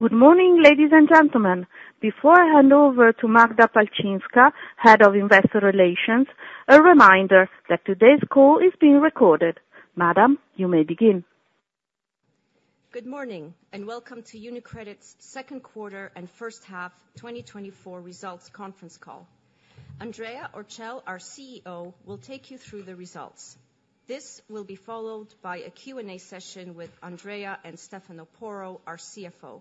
Good morning, ladies and gentlemen. Before I hand over to Magda Palczynska, Head of Investor Relations, a reminder that today's call is being recorded. Madam, you may begin. Good morning, and welcome to UniCredit's Second Quarter and First Half 2024 Results Conference Call. Andrea Orcel, our CEO, will take you through the results. This will be followed by a Q&A session with Andrea and Stefano Porro, our CFO.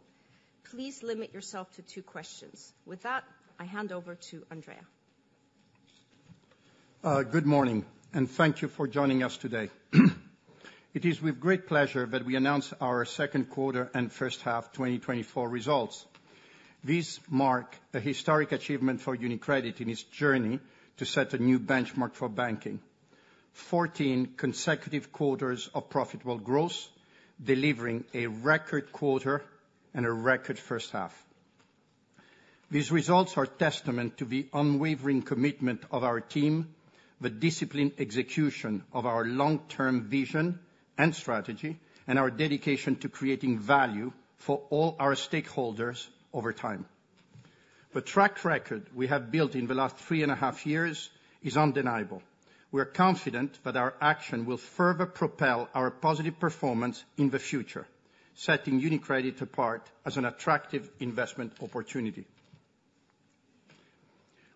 Please limit yourself to two questions. With that, I hand over to Andrea. Good morning, and thank you for joining us today. It is with great pleasure that we announce our second quarter and first half 2024 results. These mark a historic achievement for UniCredit in its journey to set a new benchmark for banking: 14 consecutive quarters of profitable growth, delivering a record quarter and a record first half. These results are a testament to the unwavering commitment of our team, the disciplined execution of our long-term vision and strategy, and our dedication to creating value for all our stakeholders over time. The track record we have built in the last three and a half years is undeniable. We are confident that our action will further propel our positive performance in the future, setting UniCredit apart as an attractive investment opportunity.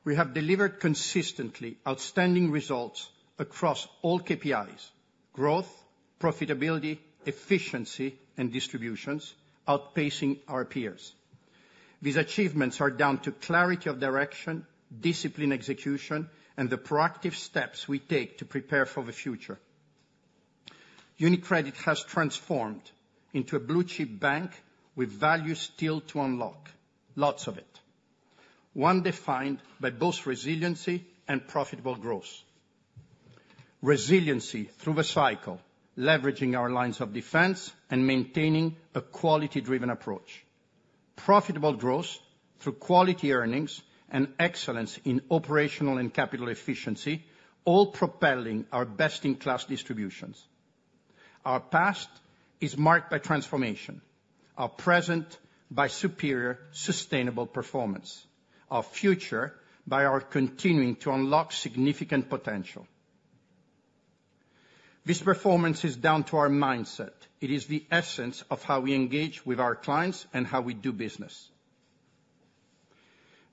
We have delivered consistently outstanding results across all KPIs: growth, profitability, efficiency, and distributions, outpacing our peers. These achievements are down to clarity of direction, disciplined execution, and the proactive steps we take to prepare for the future. UniCredit has transformed into a blue-chip bank with value still to unlock, lots of it. One defined by both resiliency and profitable growth. Resiliency through the cycle, leveraging our lines of defense and maintaining a quality-driven approach. Profitable growth through quality earnings and excellence in operational and capital efficiency, all propelling our best-in-class distributions. Our past is marked by transformation. Our present by superior, sustainable performance. Our future by our continuing to unlock significant potential. This performance is down to our mindset. It is the essence of how we engage with our clients and how we do business.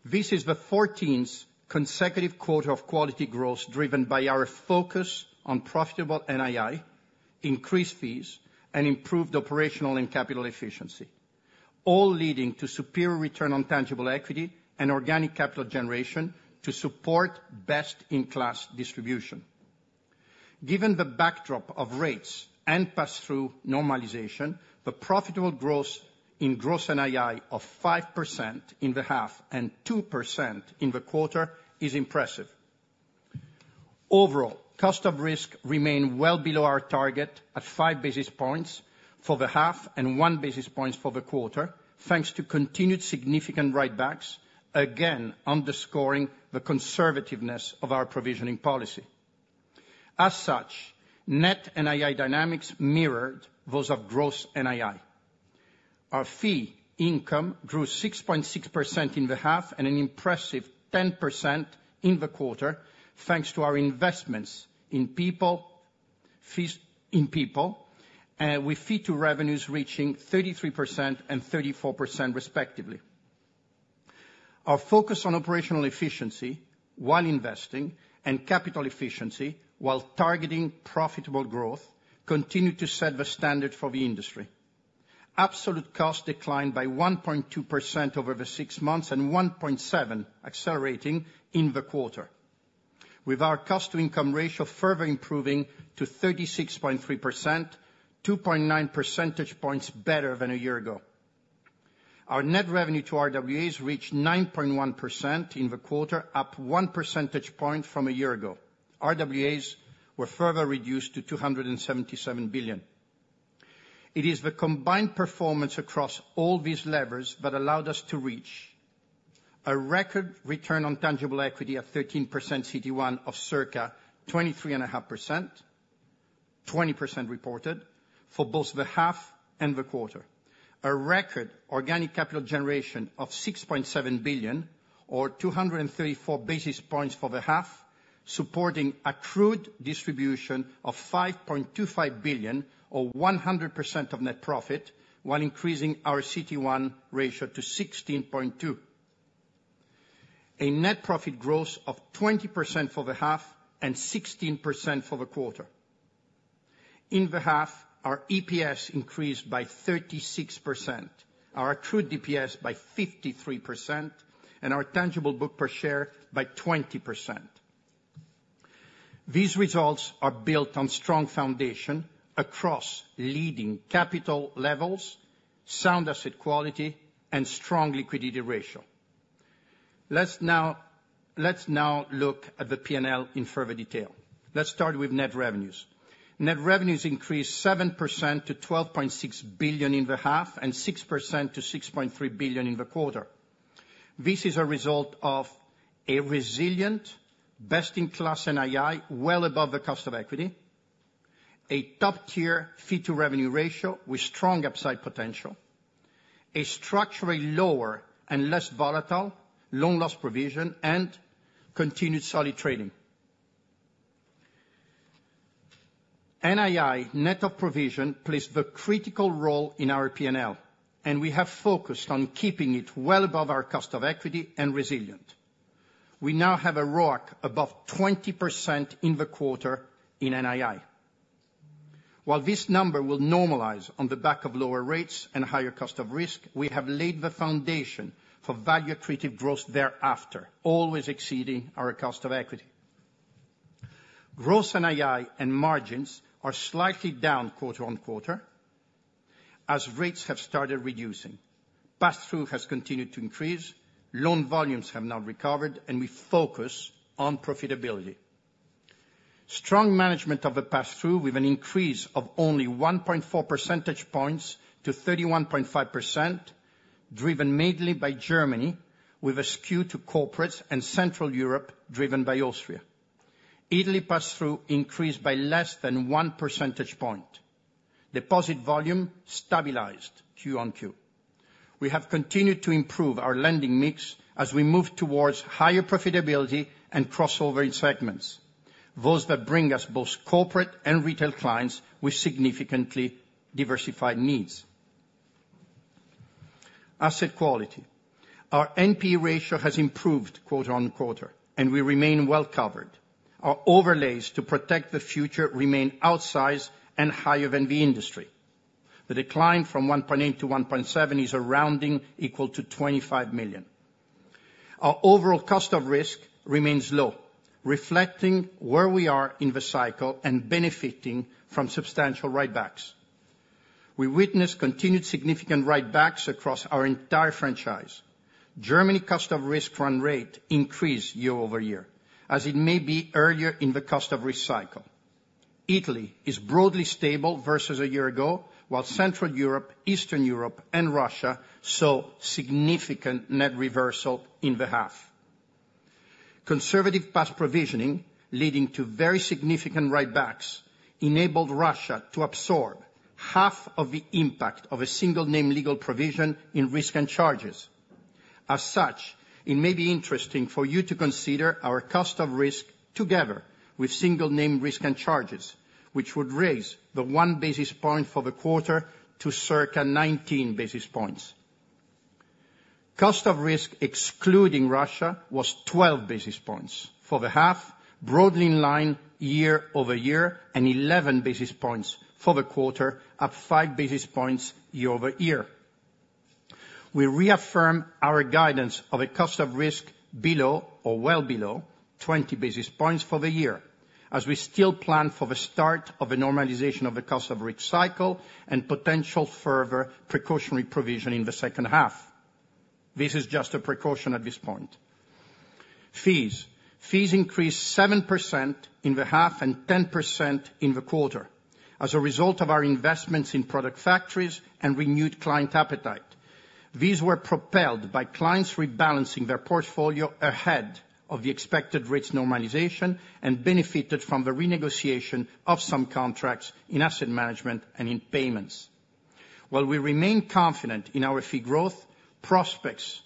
This is the 14th consecutive quarter of quality growth driven by our focus on profitable NII, increased fees, and improved operational and capital efficiency, all leading to superior return on tangible equity and organic capital generation to support best-in-class distribution. Given the backdrop of rates and pass-through normalization, the profitable growth in gross NII of 5% in the half and 2% in the quarter is impressive. Overall, cost of risk remained well below our target at 5 basis points for the half and 1 basis point for the quarter, thanks to continued significant writebacks, again underscoring the conservativeness of our provisioning policy. As such, net NII dynamics mirrored those of gross NII. Our fee income grew 6.6% in the half and an impressive 10% in the quarter, thanks to our investments in people, fees in people, and with fee-to-revenues reaching 33% and 34% respectively. Our focus on operational efficiency while investing and capital efficiency while targeting profitable growth continued to set the standard for the industry. Absolute cost declined by 1.2% over the six months and 1.7% accelerating in the quarter, with our cost-to-income ratio further improving to 36.3%, 2.9 percentage points better than a year ago. Our net revenue to RWAs reached 9.1% in the quarter, up 1 percentage point from a year ago. RWAs were further reduced to 277 billion. It is the combined performance across all these levers that allowed us to reach a record return on tangible equity at 13% CET1 of circa 23.5%, 20% reported for both the half and the quarter, a record organic capital generation of 6.7 billion, or 234 basis points for the half, supporting accrued distribution of 5.25 billion, or 100% of net profit, while increasing our CET1 ratio to 16.2%. A net profit growth of 20% for the half and 16% for the quarter. In the half, our EPS increased by 36%, our accrued EPS by 53%, and our tangible book per share by 20%. These results are built on a strong foundation across leading capital levels, sound asset quality, and strong liquidity ratio. Let's now look at the P&L in further detail. Let's start with net revenues. Net revenues increased 7% to 12.6 billion in the half and 6% to 6.3 billion in the quarter. This is a result of a resilient, best-in-class NII well above the cost of equity, a top-tier fee-to-revenue ratio with strong upside potential, a structurally lower and less volatile loan loss provision, and continued solid trading. NII net of provision plays the critical role in our P&L, and we have focused on keeping it well above our cost of equity and resilient. We now have a ROAC above 20% in the quarter in NII. While this number will normalize on the back of lower rates and higher cost of risk, we have laid the foundation for value-accretive growth thereafter, always exceeding our cost of equity. Gross NII and margins are slightly down quarter-over-quarter as rates have started reducing. Pass-through has continued to increase. Loan volumes have now recovered, and we focus on profitability. Strong management of the pass-through with an increase of only 1.4 percentage points to 31.5%, driven mainly by Germany, with a skew to corporates and Central Europe driven by Austria. Italy pass-through increased by less than one percentage point. Deposit volume stabilized Q-on-Q. We have continued to improve our lending mix as we move towards higher profitability and crossover in segments, those that bring us both corporate and retail clients with significantly diversified needs. Asset quality. Our NPE ratio has improved quarter-on-quarter, and we remain well covered. Our overlays to protect the future remain outsized and higher than the industry. The decline from 1.8-1.7 is a rounding equal to 25 million. Our overall cost of risk remains low, reflecting where we are in the cycle and benefiting from substantial writebacks. We witness continued significant writebacks across our entire franchise. Germany's cost of risk run rate increased year-over-year, as it may be earlier in the cost of risk cycle. Italy is broadly stable versus a year ago, while Central Europe, Eastern Europe, and Russia saw significant net reversal in the half. Conservative past provisioning, leading to very significant writebacks, enabled Russia to absorb half of the impact of a single-name legal provision in risk and charges. As such, it may be interesting for you to consider our cost of risk together with single-name risk and charges, which would raise the 1 basis point for the quarter to circa 19 basis points. Cost of risk excluding Russia was 12 basis points for the half, broadly in line year-over-year, and 11 basis points for the quarter, up 5 basis points year-over-year. We reaffirm our guidance of a cost of risk below, or well below, 20 basis points for the year, as we still plan for the start of a normalization of the cost of risk cycle and potential further precautionary provision in the second half. This is just a precaution at this point. Fees. Fees increased 7% in the half and 10% in the quarter as a result of our investments in product factories and renewed client appetite. These were propelled by clients rebalancing their portfolio ahead of the expected rates normalization and benefited from the renegotiation of some contracts in asset management and in payments. While we remain confident in our fee growth, prospects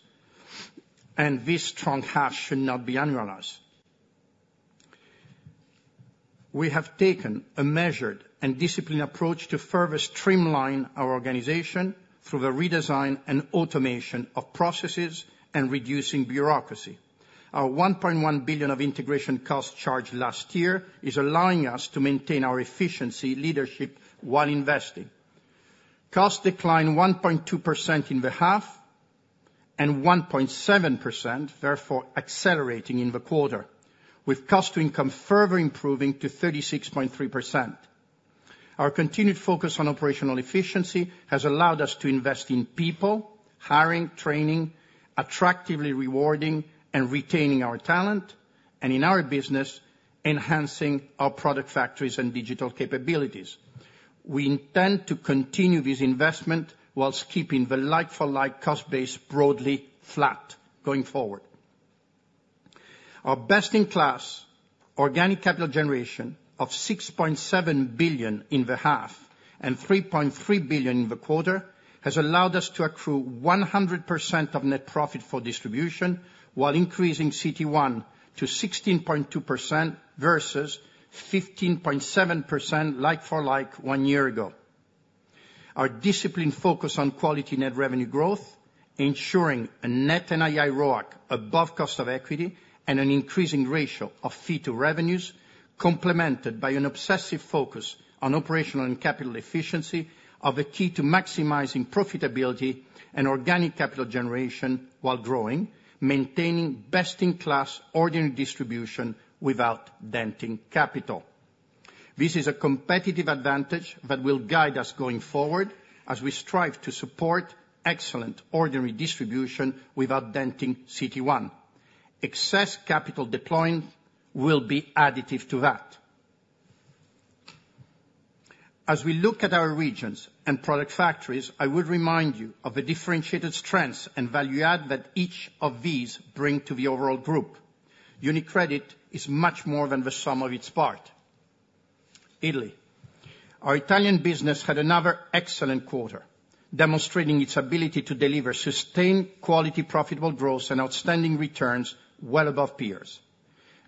and this strong half should not be underutilized. We have taken a measured and disciplined approach to further streamline our organization through the redesign and automation of processes and reducing bureaucracy. Our 1.1 billion of integration costs charged last year is allowing us to maintain our efficiency leadership while investing. Cost declined 1.2% in the half and 1.7%, therefore accelerating in the quarter, with cost-to-income further improving to 36.3%. Our continued focus on operational efficiency has allowed us to invest in people, hiring, training, attractively rewarding, and retaining our talent, and in our business, enhancing our product factories and digital capabilities. We intend to continue this investment while keeping the like-for-like cost base broadly flat going forward. Our best-in-class organic capital generation of 6.7 billion in the half and 3.3 billion in the quarter has allowed us to accrue 100% of net profit for distribution while increasing CET1 to 16.2% versus 15.7% like-for-like one year ago. Our disciplined focus on quality net revenue growth, ensuring a net NII ROAC above cost of equity and an increasing ratio of fee-to-revenues, complemented by an obsessive focus on operational and capital efficiency, are the key to maximizing profitability and organic capital generation while growing, maintaining best-in-class ordinary distribution without denting capital. This is a competitive advantage that will guide us going forward as we strive to support excellent ordinary distribution without denting CET1. Excess capital deploying will be additive to that. As we look at our regions and product factories, I would remind you of the differentiated strengths and value-add that each of these bring to the overall group. UniCredit is much more than the sum of its parts. Italy. Our Italian business had another excellent quarter, demonstrating its ability to deliver sustained quality profitable growth and outstanding returns well above peers.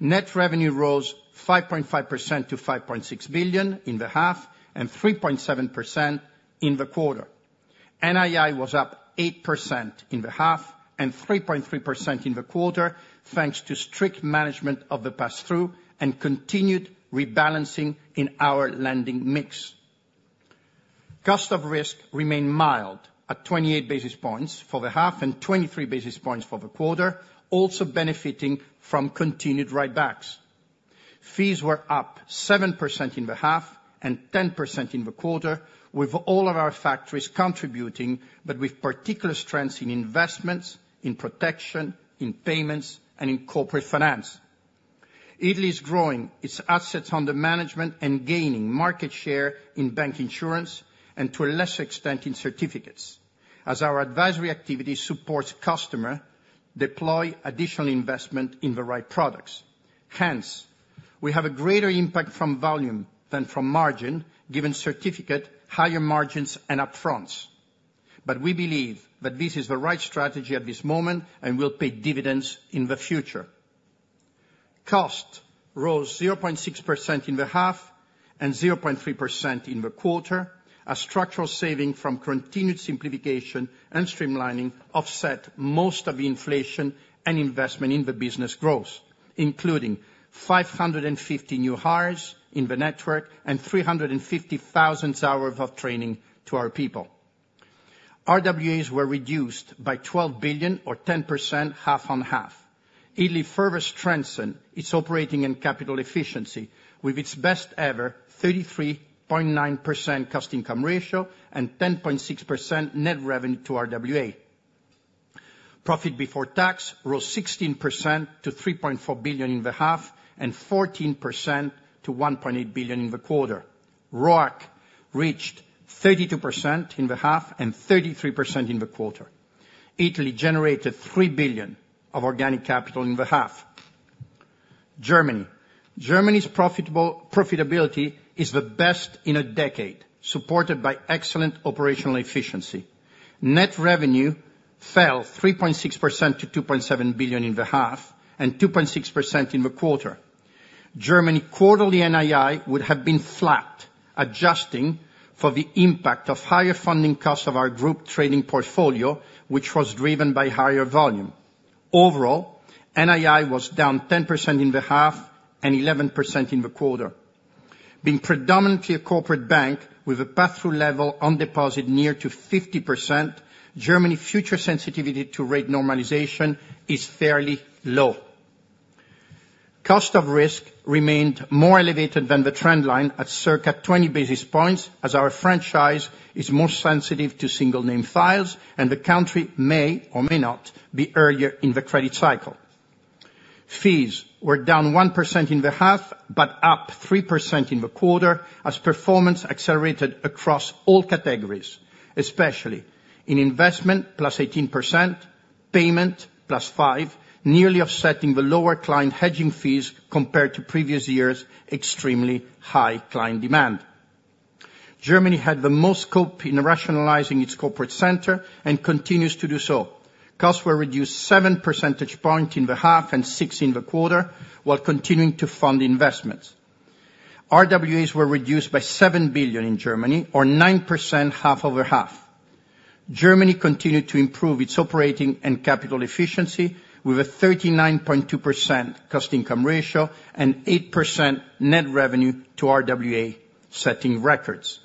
Net revenue rose 5.5% to 5.6 billion in the half and 3.7% in the quarter. NII was up 8% in the half and 3.3% in the quarter, thanks to strict management of the pass-through and continued rebalancing in our lending mix. Cost of risk remained mild at 28 basis points for the half and 23 basis points for the quarter, also benefiting from continued writebacks. Fees were up 7% in the half and 10% in the quarter, with all of our factories contributing, but with particular strengths in investments, in protection, in payments, and in corporate finance. Italy is growing its assets under management and gaining market share in bank insurance and to a lesser extent in certificates, as our advisory activity supports customer deploy additional investment in the right products. Hence, we have a greater impact from volume than from margin, given certificate higher margins and upfronts. But we believe that this is the right strategy at this moment and will pay dividends in the future. Cost rose 0.6% in the half and 0.3% in the quarter, as structural saving from continued simplification and streamlining offset most of the inflation and investment in the business growth, including 550 new hires in the network and 350,000 hours of training to our people. RWAs were reduced by 12 billion, or 10% half on half. Italy further strengthened its operating and capital efficiency with its best-ever 33.9% cost-to-income ratio and 10.6% net revenue to RWA. Profit before tax rose 16% to 3.4 billion in the half and 14% to 1.8 billion in the quarter. ROAC reached 32% in the half and 33% in the quarter. Italy generated 3 billion of organic capital in the half. Germany. Germany's profitability is the best in a decade, supported by excellent operational efficiency. Net revenue fell 3.6% to 2.7 billion in the half and 2.6% in the quarter. Germany quarterly NII would have been flat, adjusting for the impact of higher funding costs of our group trading portfolio, which was driven by higher volume. Overall, NII was down 10% in the half and 11% in the quarter. Being predominantly a corporate bank with a pass-through level on deposit near to 50%, Germany's future sensitivity to rate normalization is fairly low. Cost of risk remained more elevated than the trend line at circa 20 basis points, as our franchise is more sensitive to single-name files, and the country may or may not be earlier in the credit cycle. Fees were down -1% in the half but up +3% in the quarter, as performance accelerated across all categories, especially in investment +18%, payment +5%, nearly offsetting the lower client hedging fees compared to previous years' extremely high client demand. Germany had the most scope in rationalizing its corporate center and continues to do so. Costs were reduced 7 percentage points in the half and -6% in the quarter, while continuing to fund investments. RWAs were reduced by 7 billion in Germany, or -9% half-over-half. Germany continued to improve its operating and capital efficiency with a 39.2% cost-to-income ratio and 8% net revenue to RWA, setting records.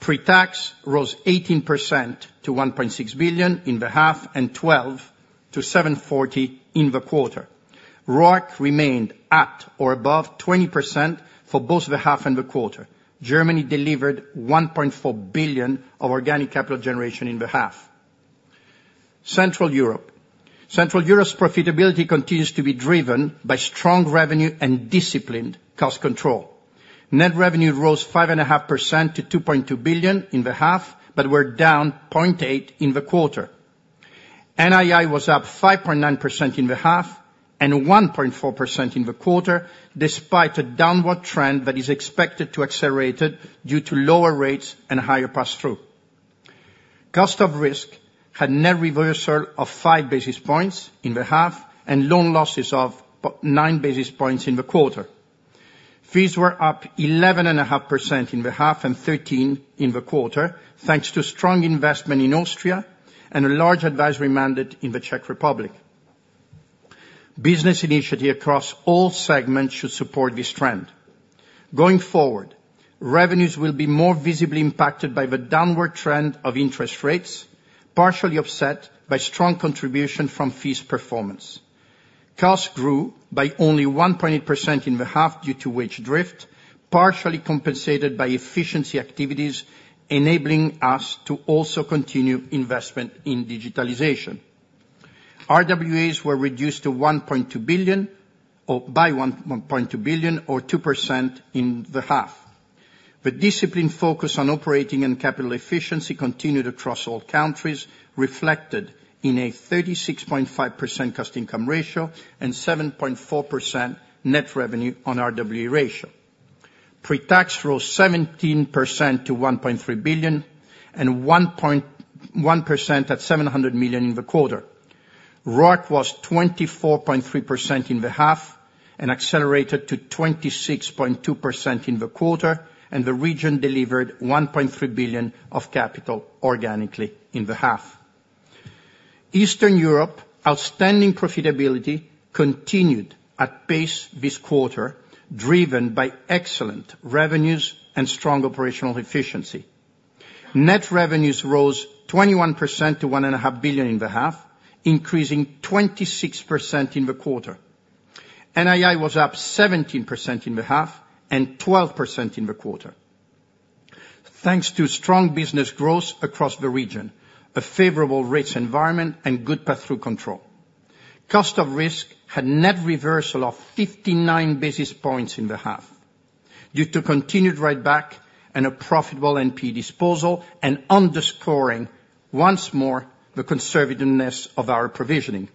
Pre-tax rose 18% to 1.6 billion in the half and 12% to 740 million in the quarter. ROAC remained at or above 20% for both the half and the quarter. Germany delivered 1.4 billion of organic capital generation in the half. Central Europe. Central Europe's profitability continues to be driven by strong revenue and disciplined cost control. Net revenue rose 5.5% to 2.2 billion in the half but were down 0.8% in the quarter. NII was up 5.9% in the half and 1.4% in the quarter, despite a downward trend that is expected to accelerate due to lower rates and higher pass-through. Cost of risk had net reversal of 5 basis points in the half and loan losses of 9 basis points in the quarter. Fees were up 11.5% in the half and 13% in the quarter, thanks to strong investment in Austria and a large advisory mandate in the Czech Republic. Business initiative across all segments should support this trend. Going forward, revenues will be more visibly impacted by the downward trend of interest rates, partially offset by strong contribution from fees performance. Cost grew by only 1.8% in the half due to wage drift, partially compensated by efficiency activities enabling us to also continue investment in digitalization. RWAs were reduced to 1.2 billion by 1.2 billion, or 2% in the half. The disciplined focus on operating and capital efficiency continued across all countries, reflected in a 36.5% cost-to-income ratio and 7.4% net revenue on RWA ratio. Pre-tax rose 17% to 1.3 billion and 1% at 700 million in the quarter. ROAC was 24.3% in the half and accelerated to 26.2% in the quarter, and the region delivered 1.3 billion of capital organically in the half. Eastern Europe, outstanding profitability continued at pace this quarter, driven by excellent revenues and strong operational efficiency. Net revenues rose 21% to 1.5 billion in the half, increasing 26% in the quarter. NII was up 17% in the half and 12% in the quarter, thanks to strong business growth across the region, a favorable rates environment, and good pass-through control. Cost of risk had net reversal of 59 basis points in the half due to continued writeback and a profitable NPE disposal, and underscoring once more the conservativeness of our provisioning.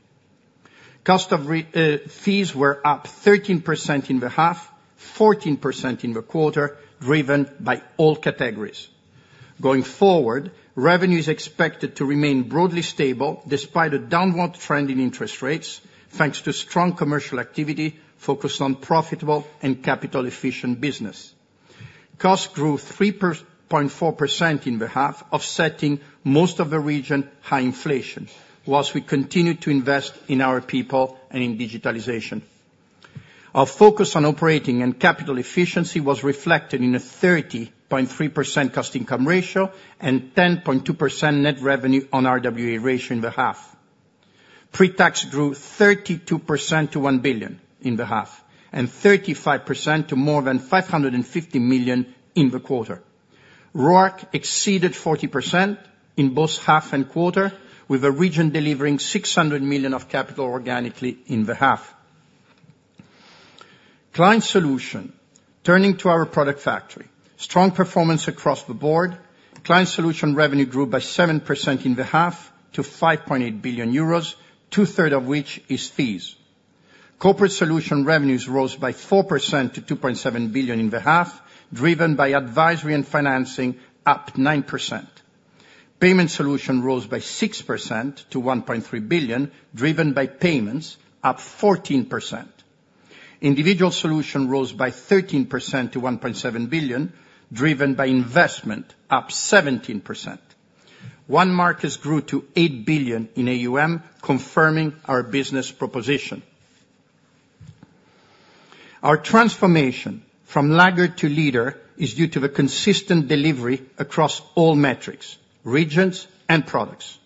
Fees were up 13% in the half, 14% in the quarter, driven by all categories. Going forward, revenues expected to remain broadly stable despite a downward trend in interest rates, thanks to strong commercial activity focused on profitable and capital-efficient business. Cost grew 3.4% in the half, offsetting most of the region's high inflation, while we continued to invest in our people and in digitalization. Our focus on operating and capital efficiency was reflected in a 30.3% cost-to-income ratio and 10.2% net revenue on RWA ratio in the half. Pre-tax grew 32% to 1 billion in the half and 35% to more than 550 million in the quarter. ROAC exceeded 40% in both half and quarter, with the region delivering 600 million of capital organically in the half. Client solution, turning to our product factory, strong performance across the board. Client solution revenue grew by 7% in the half to 5.8 billion euros, two-thirds of which is fees. Corporate solution revenues rose by 4% to 2.7 billion in the half, driven by advisory and financing, up 9%. Payment solution rose by 6% to 1.3 billion, driven by payments, up 14%. Individual solution rose by 13% to 1.7 billion, driven by investment, up 17%. Onemarkets grew to 8 billion in AUM, confirming our business proposition. Our transformation from laggard to leader is due to the consistent delivery across all metrics, regions, and products.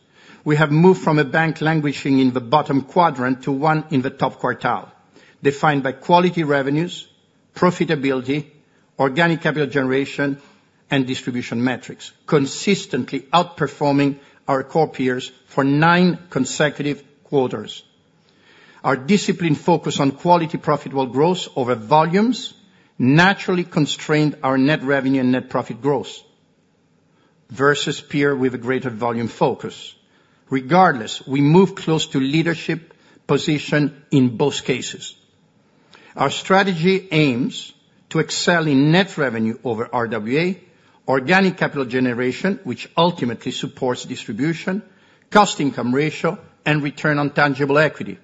We have moved from a bank languishing in the bottom quadrant to one in the top quartile, defined by quality revenues, profitability, organic capital generation, and distribution metrics, consistently outperforming our core peers for nine consecutive quarters. Our disciplined focus on quality profitable growth over volumes naturally constrained our net revenue and net profit growth versus peer with a greater volume focus. Regardless, we moved close to leadership position in both cases. Our strategy aims to excel in net revenue over RWA, organic capital generation, which ultimately supports distribution, cost-to-income ratio, and return on tangible equity.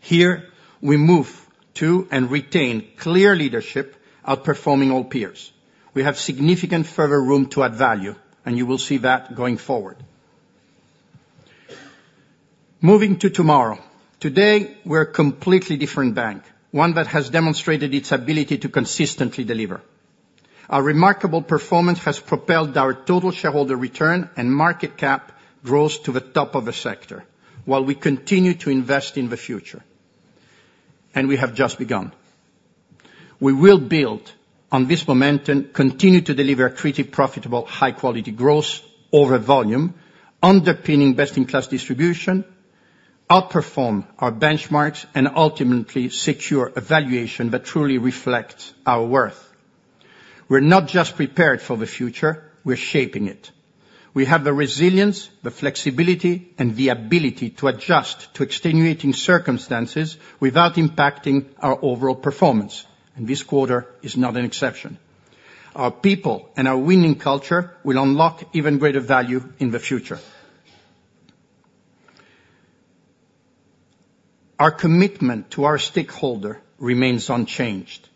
Here, we move to and retain clear leadership, outperforming all peers. We have significant further room to add value, and you will see that going forward. Moving to tomorrow. Today, we're a completely different bank, one that has demonstrated its ability to consistently deliver. Our remarkable performance has propelled our total shareholder return and market cap growth to the top of the sector, while we continue to invest in the future. We have just begun. We will build on this momentum, continue to deliver creative, profitable, high-quality growth over volume, underpinning best-in-class distribution, outperform our benchmarks, and ultimately secure a valuation that truly reflects our worth. We're not just prepared for the future. We're shaping it. We have the resilience, the flexibility, and the ability to adjust to extenuating circumstances without impacting our overall performance, and this quarter is not an exception. Our people and our winning culture will unlock even greater value in the future. Our commitment to our stakeholder remains unchanged.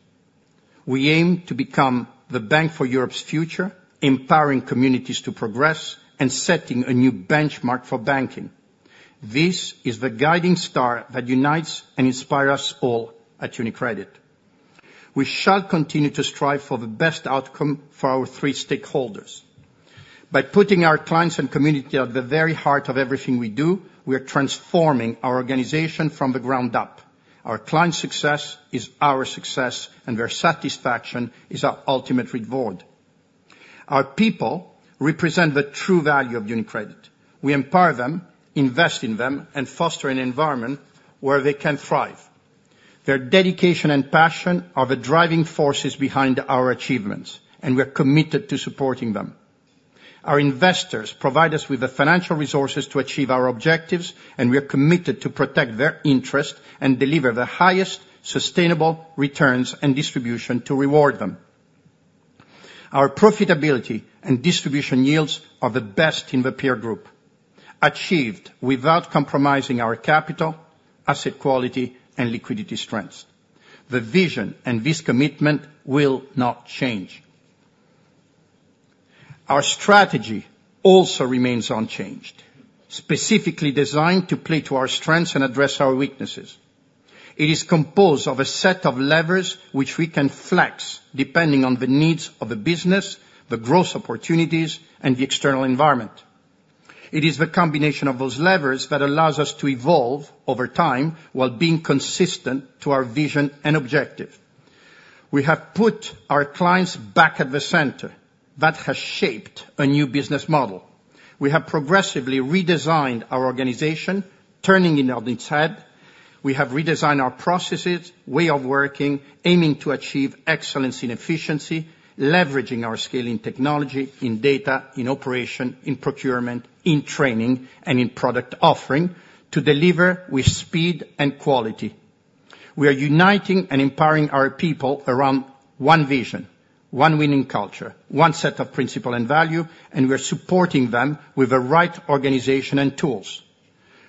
We aim to become the bank for Europe's future, empowering communities to progress, and setting a new benchmark for banking. This is the guiding star that unites and inspires us all at UniCredit. We shall continue to strive for the best outcome for our three stakeholders. By putting our clients and community at the very heart of everything we do, we are transforming our organization from the ground up. Our client success is our success, and their satisfaction is our ultimate reward. Our people represent the true value of UniCredit. We empower them, invest in them, and foster an environment where they can thrive. Their dedication and passion are the driving forces behind our achievements, and we are committed to supporting them. Our investors provide us with the financial resources to achieve our objectives, and we are committed to protect their interest and deliver the highest sustainable returns and distribution to reward them. Our profitability and distribution yields are the best in the peer group, achieved without compromising our capital, asset quality, and liquidity strengths. The vision and this commitment will not change. Our strategy also remains unchanged, specifically designed to play to our strengths and address our weaknesses. It is composed of a set of levers which we can flex depending on the needs of the business, the growth opportunities, and the external environment. It is the combination of those levers that allows us to evolve over time while being consistent to our vision and objective. We have put our clients back at the center. That has shaped a new business model. We have progressively redesigned our organization, turning it on its head. We have redesigned our processes, way of working, aiming to achieve excellence in efficiency, leveraging our scaling technology in data, in operation, in procurement, in training, and in product offering to deliver with speed and quality. We are uniting and empowering our people around one vision, one winning culture, one set of principles and values, and we are supporting them with the right organization and tools.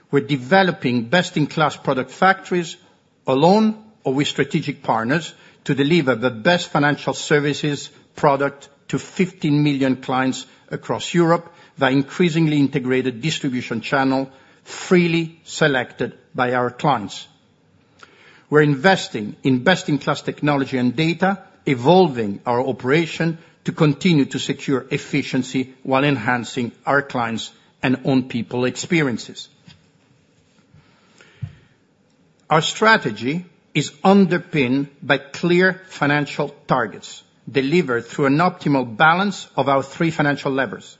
We're developing best-in-class product factories alone or with strategic partners to deliver the best financial services product to 15 million clients across Europe via increasingly integrated distribution channel freely selected by our clients. We're investing in best-in-class technology and data, evolving our operation to continue to secure efficiency while enhancing our clients' and own people's experiences. Our strategy is underpinned by clear financial targets delivered through an optimal balance of our three financial levers.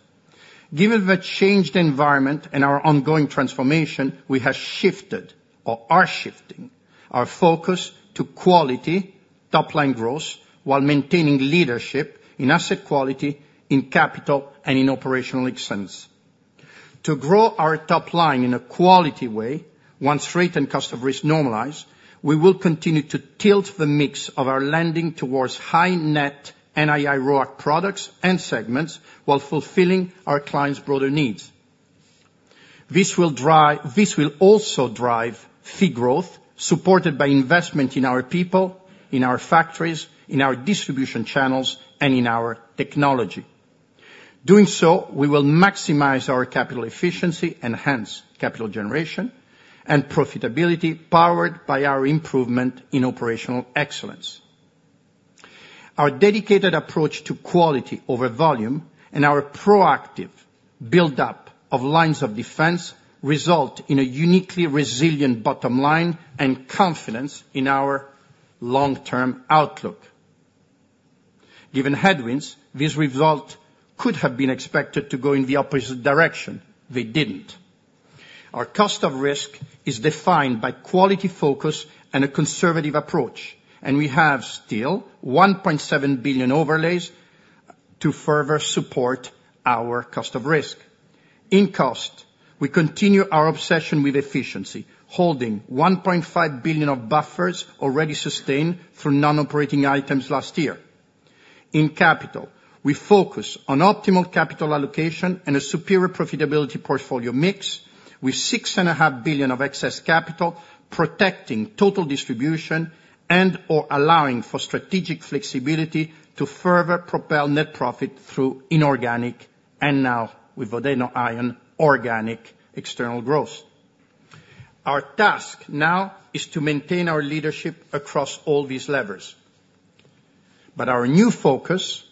Given the changed environment and our ongoing transformation, we have shifted, or are shifting, our focus to quality, top-line growth, while maintaining leadership in asset quality, in capital, and in operational excellence. To grow our top-line in a quality way, once rate and cost of risk normalize, we will continue to tilt the mix of our lending towards high-net NII ROAC products and segments while fulfilling our clients' broader needs. This will also drive fee growth supported by investment in our people, in our factories, in our distribution channels, and in our technology. Doing so, we will maximize our capital efficiency and hence capital generation and profitability powered by our improvement in operational excellence. Our dedicated approach to quality over volume and our proactive build-up of lines of defense result in a uniquely resilient bottom line and confidence in our long-term outlook. Given headwinds, this result could have been expected to go in the opposite direction. They didn't. Our cost of risk is defined by quality focus and a conservative approach, and we have still 1.7 billion overlays to further support our cost of risk. In cost, we continue our obsession with efficiency, holding 1.5 billion of buffers already sustained through non-operating items last year. In capital, we focus on optimal capital allocation and a superior profitability portfolio mix with 6.5 billion of excess capital protecting total distribution and/or allowing for strategic flexibility to further propel net profit through inorganic, and now, with Vodeno/Aion, organic external growth. Our task now is to maintain our leadership across all these levers, but our new focus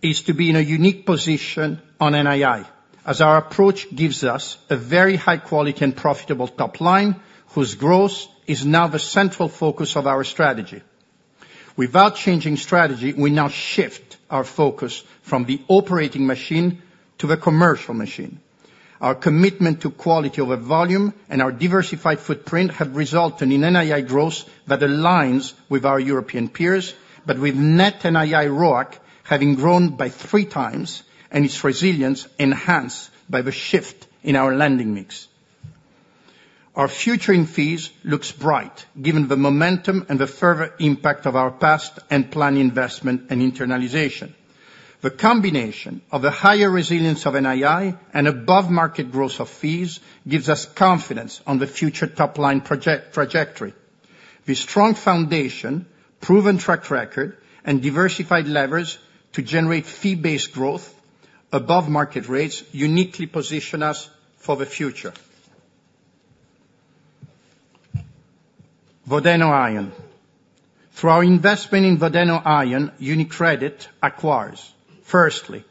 is to be in a unique position on NII, as our approach gives us a very high-quality and profitable top line whose growth is now the central focus of our strategy. Without changing strategy, we now shift our focus from the operating machine to the commercial machine. Our commitment to quality over volume and our diversified footprint have resulted in NII growth that aligns with our European peers, but with net NII ROAC having grown by three times and its resilience enhanced by the shift in our lending mix. Our future in fees looks bright, given the momentum and the further impact of our past and planned investment and internalization. The combination of the higher resilience of NII and above-market growth of fees gives us confidence on the future top-line trajectory. The strong foundation, proven track record, and diversified levers to generate fee-based growth above market rates uniquely position us for the future. Vodeno and Aion. Through our investment in Vodeno and Aion, UniCredit acquires, firstly,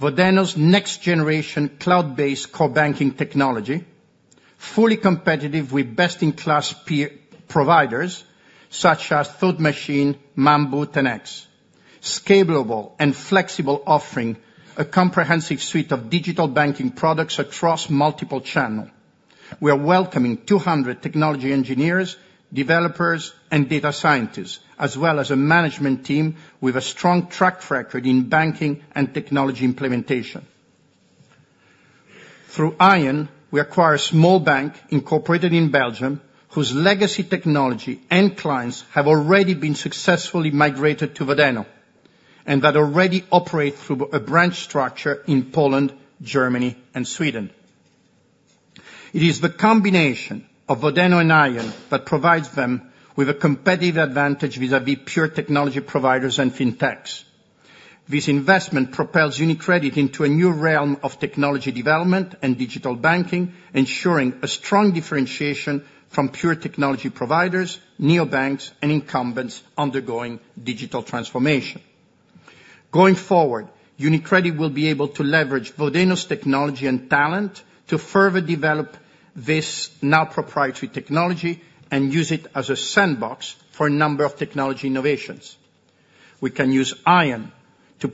Vodeno's next-generation cloud-based core banking technology, fully competitive with best-in-class providers such as Thought Machine, Mambu, and 10x, scalable and flexible, offering a comprehensive suite of digital banking products across multiple channels. We are welcoming 200 technology engineers, developers, and data scientists, as well as a management team with a strong track record in banking and technology implementation. Through Aion, we acquire a small bank incorporated in Belgium whose legacy technology and clients have already been successfully migrated to Vodeno and that already operate through a branch structure in Poland, Germany, and Sweden. It is the combination of Vodeno and Aion that provides them with a competitive advantage vis-à-vis pure technology providers and fintechs. This investment propels UniCredit into a new realm of technology development and digital banking, ensuring a strong differentiation from pure technology providers, neobanks, and incumbents undergoing digital transformation. Going forward, UniCredit will be able to leverage Vodeno's technology and talent to further develop this now proprietary technology and use it as a sandbox for a number of technology innovations. We can use Aion to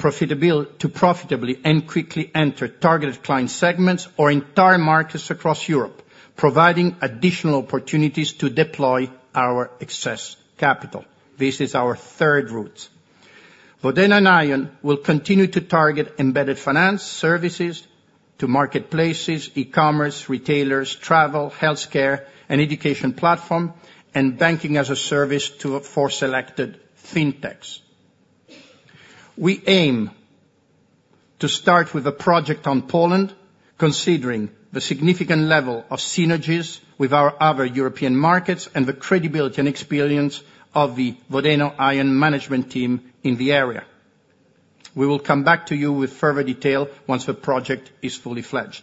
profitably and quickly enter targeted client segments or entire markets across Europe, providing additional opportunities to deploy our excess capital. This is our third route. Vodeno and Aion will continue to target embedded finance services to marketplaces, e-commerce, retailers, travel, healthcare, and education platforms, and banking as a service for selected fintechs. We aim to start with a project on Poland, considering the significant level of synergies with our other European markets and the credibility and experience of the Vodeno and Aion management team in the area. We will come back to you with further detail once the project is fully fledged.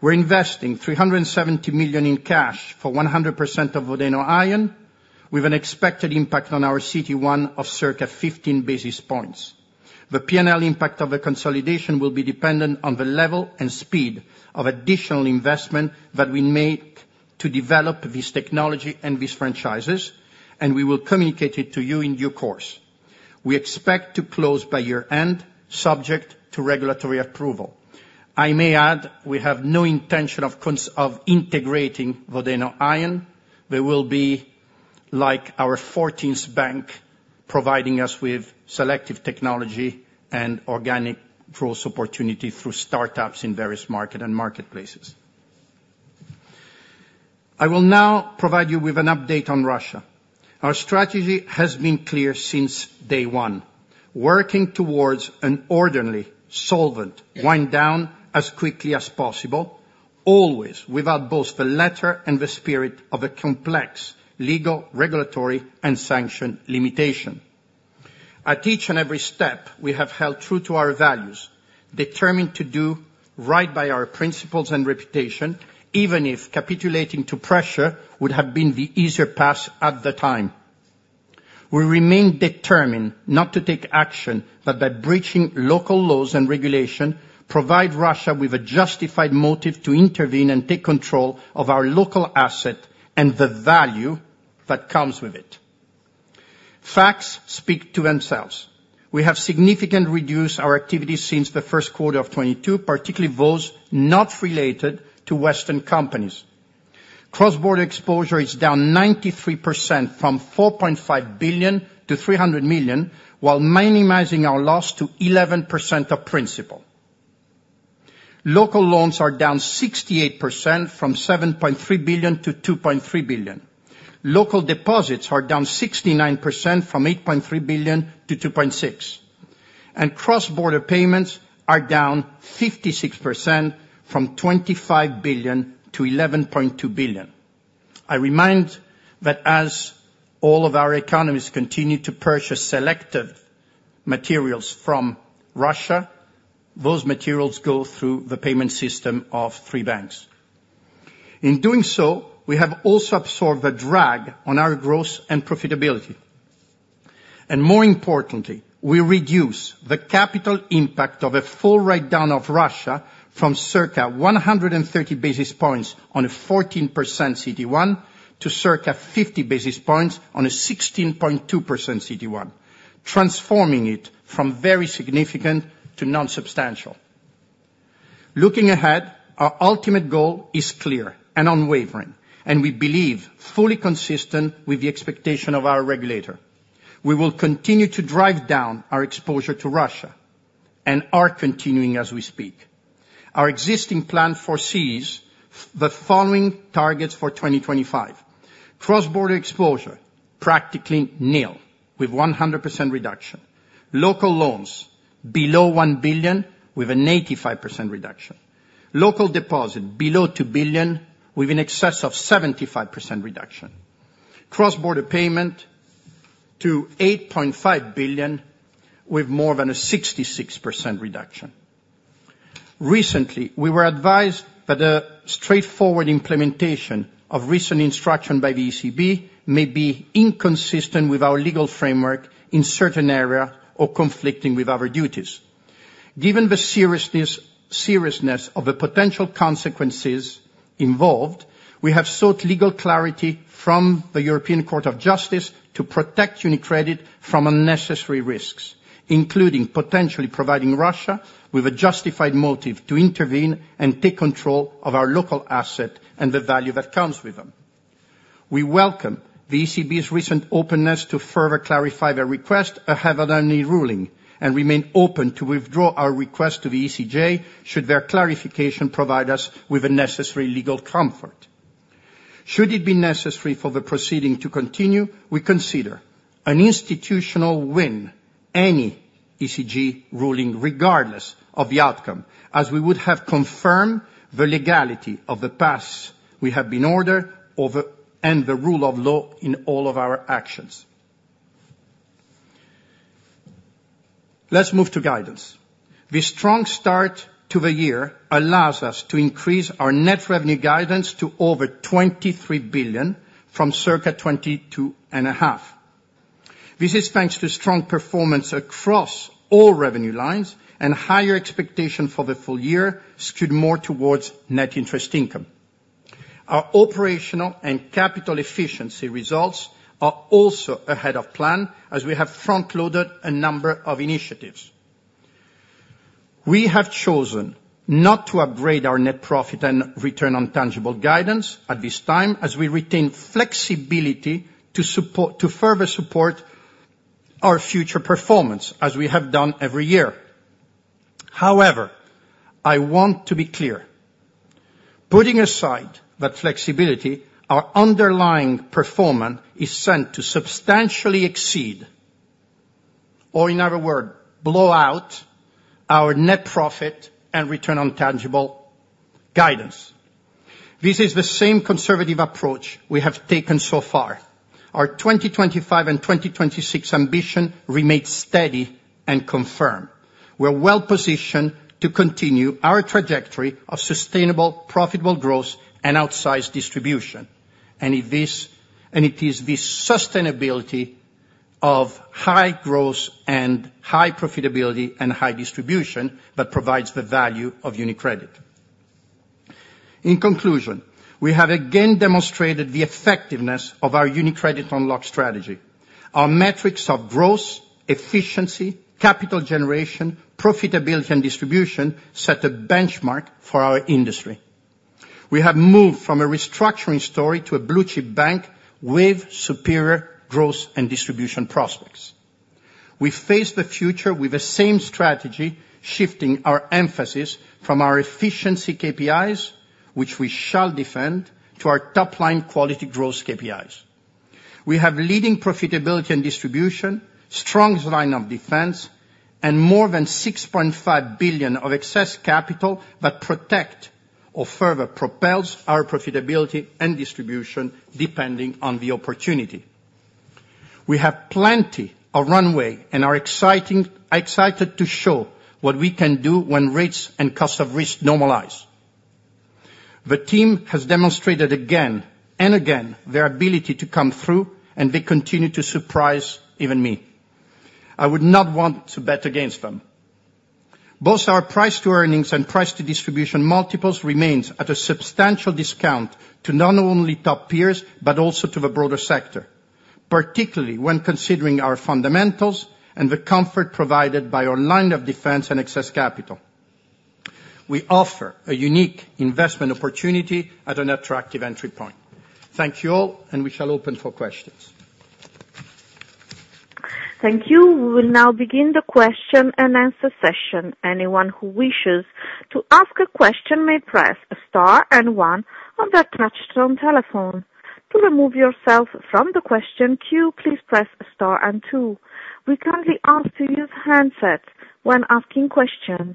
We're investing 370 million in cash for 100% of Vodeno and Aion, with an expected impact on our CET1 of circa 15 basis points. The P&L impact of the consolidation will be dependent on the level and speed of additional investment that we make to develop this technology and these franchises, and we will communicate it to you in due course. We expect to close by year-end, subject to regulatory approval. I may add we have no intention of integrating Vodeno and Aion. There will be like our 14th bank providing us with selective technology and organic growth opportunities through startups in various markets and marketplaces. I will now provide you with an update on Russia. Our strategy has been clear since day one, working towards an orderly, solvent, wind-down as quickly as possible, always in both the letter and the spirit of a complex legal, regulatory, and sanction limitation. At each and every step, we have held true to our values, determined to do right by our principles and reputation, even if capitulating to pressure would have been the easier path at the time. We remain determined not to take action but by breaching local laws and regulation, provide Russia with a justified motive to intervene and take control of our local asset and the value that comes with it. Facts speak to themselves. We have significantly reduced our activities since the first quarter of 2022, particularly those not related to Western companies. Cross-border exposure is down 93% from 4.5 billion-300 million, while minimizing our loss to 11% of principal. Local loans are down 68% from 7.3 billion-2.3 billion. Local deposits are down 69% from 8.3 billion-2.6 billion. And cross-border payments are down 56% from 25 billion-11.2 billion. I remind that as all of our economies continue to purchase selective materials from Russia, those materials go through the payment system of three banks. In doing so, we have also absorbed the drag on our growth and profitability. And more importantly, we reduce the capital impact of a full write-down of Russia from circa 130 basis points on a 14% CET1 to circa 50 basis points on a 16.2% CET1, transforming it from very significant to non-substantial. Looking ahead, our ultimate goal is clear and unwavering, and we believe fully consistent with the expectation of our regulator. We will continue to drive down our exposure to Russia and are continuing as we speak. Our existing plan foresees the following targets for 2025: cross-border exposure practically nil with 100% reduction, local loans below 1 billion with an 85% reduction, local deposit below 2 billion with an excess of 75% reduction, cross-border payment to 8.5 billion with more than a 66% reduction. Recently, we were advised that the straightforward implementation of recent instruction by the ECB may be inconsistent with our legal framework in certain areas or conflicting with our duties. Given the seriousness of the potential consequences involved, we have sought legal clarity from the European Court of Justice to protect UniCredit from unnecessary risks, including potentially providing Russia with a justified motive to intervene and take control of our local asset and the value that comes with them. We welcome the ECB's recent openness to further clarify their request ahead of any ruling and remain open to withdraw our request to the ECJ should their clarification provide us with the necessary legal comfort. Should it be necessary for the proceeding to continue, we consider an institutional win any ECJ ruling regardless of the outcome, as we would have confirmed the legality of the past we have been ordered and the rule of law in all of our actions. Let's move to guidance. The strong start to the year allows us to increase our net revenue guidance to over 23 billion from circa 22.5 billion. This is thanks to strong performance across all revenue lines and higher expectation for the full year skewed more towards net interest income. Our operational and capital efficiency results are also ahead of plan as we have front-loaded a number of initiatives. We have chosen not to upgrade our net profit and return on tangible guidance at this time as we retain flexibility to further support our future performance as we have done every year. However, I want to be clear. Putting aside that flexibility, our underlying performance is set to substantially exceed or, in other words, blow out our net profit and return on tangible guidance. This is the same conservative approach we have taken so far. Our 2025 and 2026 ambition remains steady and confirmed. We're well positioned to continue our trajectory of sustainable, profitable growth and outsized distribution. It is the sustainability of high growth and high profitability and high distribution that provides the value of UniCredit. In conclusion, we have again demonstrated the effectiveness of our UniCredit Unlocked strategy. Our metrics of growth, efficiency, capital generation, profitability, and distribution set a benchmark for our industry. We have moved from a restructuring story to a blue-chip bank with superior growth and distribution prospects. We face the future with the same strategy, shifting our emphasis from our efficiency KPIs, which we shall defend, to our top-line quality growth KPIs. We have leading profitability and distribution, strong line of defense, and more than 6.5 billion of excess capital that protect or further propels our profitability and distribution depending on the opportunity. We have plenty of runway and are excited to show what we can do when rates and cost of risk normalize. The team has demonstrated again and again their ability to come through, and they continue to surprise even me. I would not want to bet against them. Both our price-to-earnings and price-to-distribution multiples remain at a substantial discount to not only top peers but also to the broader sector, particularly when considering our fundamentals and the comfort provided by our line of defense and excess capital. We offer a unique investment opportunity at an attractive entry point. Thank you all, and we shall open for questions. Thank you. We will now begin the question-and-answer session. Anyone who wishes to ask a question may press a star and one on the touch-tone telephone. To remove yourself from the question queue, please press a star and two. We kindly ask to use handsets when asking questions.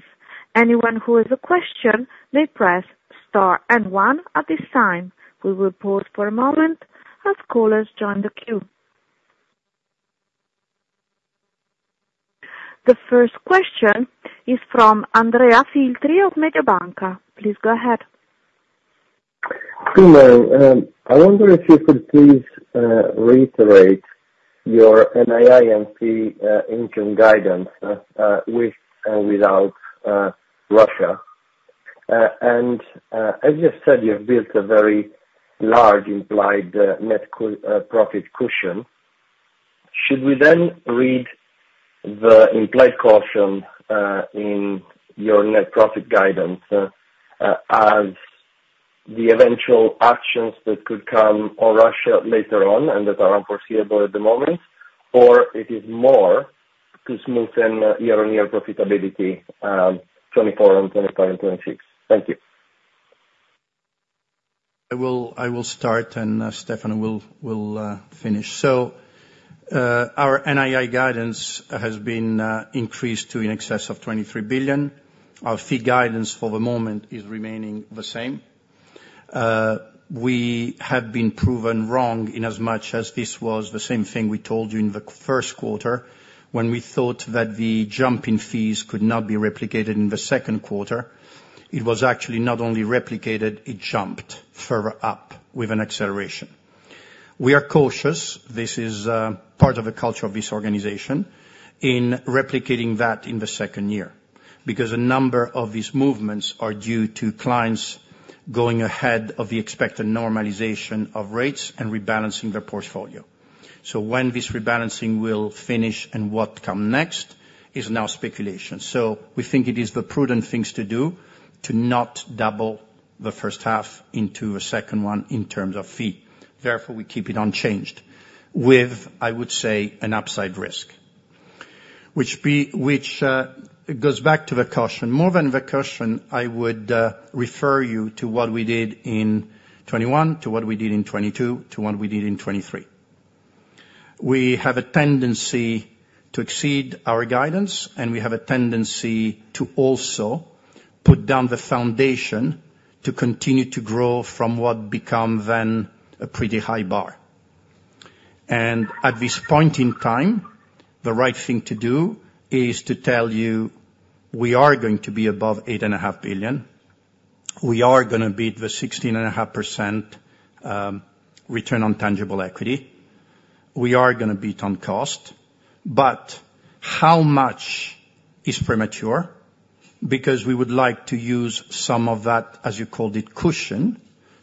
Anyone who has a question may press star and one at this time. We will pause for a moment as callers join the queue. The first question is from Andrea Filtri of Mediobanca. Please go ahead. Hello. I wonder if you could please reiterate your NII income guidance with and without Russia. And as you said, you've built a very large implied net profit cushion. Should we then read the implied caution in your net profit guidance as the eventual actions that could come on Russia later on and that are unforeseeable at the moment, or it is more to smoothen year-on-year profitability 2024 and 2025 and 2026? Thank you. I will start, and Stefano will finish. So our NII guidance has been increased to in excess of 23 billion. Our fee guidance for the moment is remaining the same. We have been proven wrong inasmuch as this was the same thing we told you in the first quarter when we thought that the jump in fees could not be replicated in the second quarter. It was actually not only replicated; it jumped further up with an acceleration. We are cautious, this is part of the culture of this organization, in replicating that in the second year because a number of these movements are due to clients going ahead of the expected normalization of rates and rebalancing their portfolio. So when this rebalancing will finish and what comes next is now speculation. So we think it is the prudent things to do to not double the first half into a second one in terms of fee. Therefore, we keep it unchanged with, I would say, an upside risk, which goes back to the caution. More than the caution, I would refer you to what we did in 2021, to what we did in 2022, to what we did in 2023. We have a tendency to exceed our guidance, and we have a tendency to also put down the foundation to continue to grow from what becomes then a pretty high bar. At this point in time, the right thing to do is to tell you we are going to be above 8.5 billion. We are going to beat the 16.5% return on tangible equity. We are going to beat on cost. But how much is premature? Because we would like to use some of that, as you called it, cushion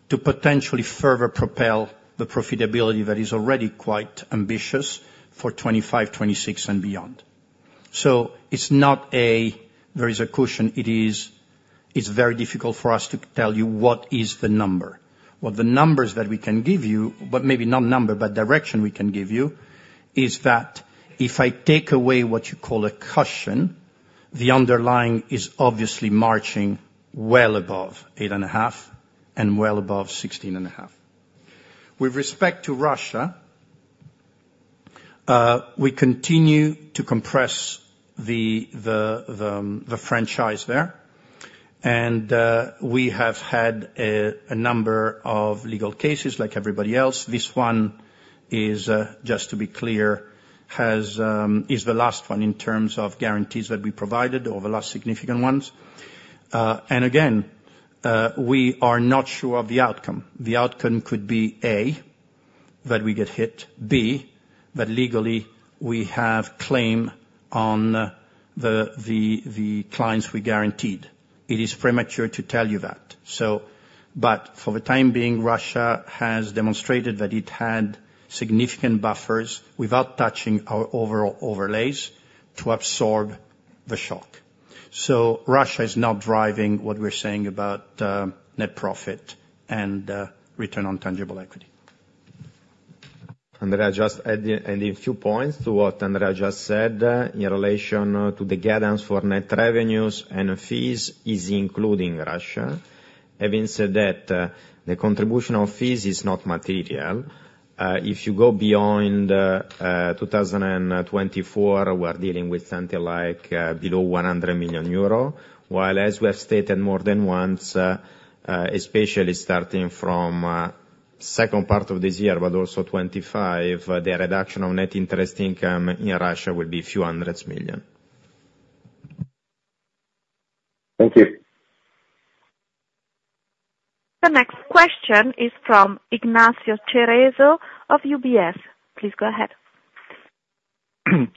to potentially further propel the profitability that is already quite ambitious for 2025, 2026, and beyond. So it's not that there is a cushion. It's very difficult for us to tell you what is the number. What the numbers that we can give you, well, maybe not number, but direction we can give you, is that if I take away what you call a caution, the underlying is obviously marching well above 8.5 and well above 16.5. With respect to Russia, we continue to compress the franchise there. We have had a number of legal cases like everybody else. This one is, just to be clear, is the last one in terms of guarantees that we provided or the last significant ones. Again, we are not sure of the outcome. The outcome could be A, that we get hit. B, that legally we have claim on the clients we guaranteed. It is premature to tell you that. But for the time being, Russia has demonstrated that it had significant buffers without touching our overall overlays to absorb the shock. So Russia is now driving what we're saying about net profit and return on tangible equity. Andrea just adding a few points to what Andrea just said in relation to the guidance for net revenues and fees is including Russia, having said that the contribution of fees is not material. If you go beyond 2024, we're dealing with something like below 100 million euro. Whereas we have stated more than once, especially starting from the second part of this year, but also 2025, the reduction of net interest income in Russia will be a few hundred million. Thank you. The next question is from Ignacio Cerezo of UBS. Please go ahead.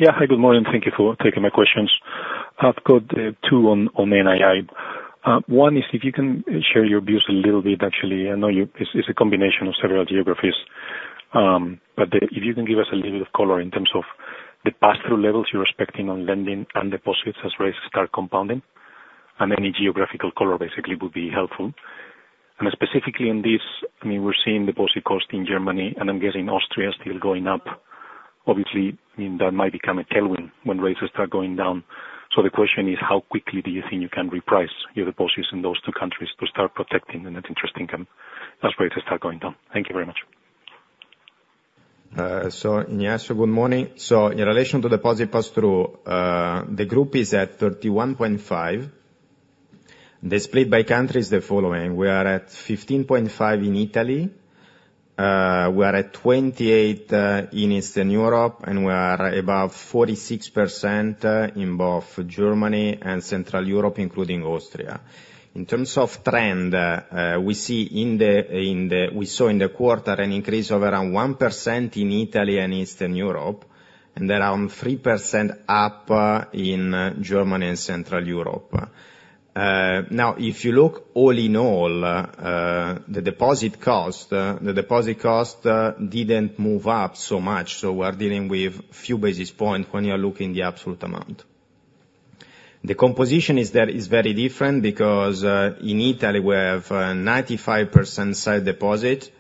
Yeah. Hi, good morning. Thank you for taking my questions. I've got two on NII. One is if you can share your views a little bit, actually. I know it's a combination of several geographies. But if you can give us a little bit of color in terms of the pass-through levels you're expecting on lending and deposits as rates start compounding. Any geographical color basically would be helpful. And specifically in this, I mean, we're seeing deposit cost in Germany, and I'm guessing Austria is still going up. Obviously, I mean, that might become a tailwind when rates start going down. So the question is, how quickly do you think you can reprice your deposits in those two countries to start protecting the net interest income as rates start going down? Thank you very much. Ignacio, good morning. In relation to deposit pass-through, the group is at 31.5%. The split by countries is the following. We are at 15.5% in Italy. We are at 28% in Eastern Europe, and we are above 46% in both Germany and Central Europe, including Austria. In terms of trend, we saw in the quarter an increase of around 1% in Italy and Eastern Europe, and around 3% up in Germany and Central Europe. Now, if you look all in all, the deposit cost didn't move up so much. So we're dealing with a few basis points when you're looking at the absolute amount. The composition is very different because in Italy, we have a 95% sight deposit,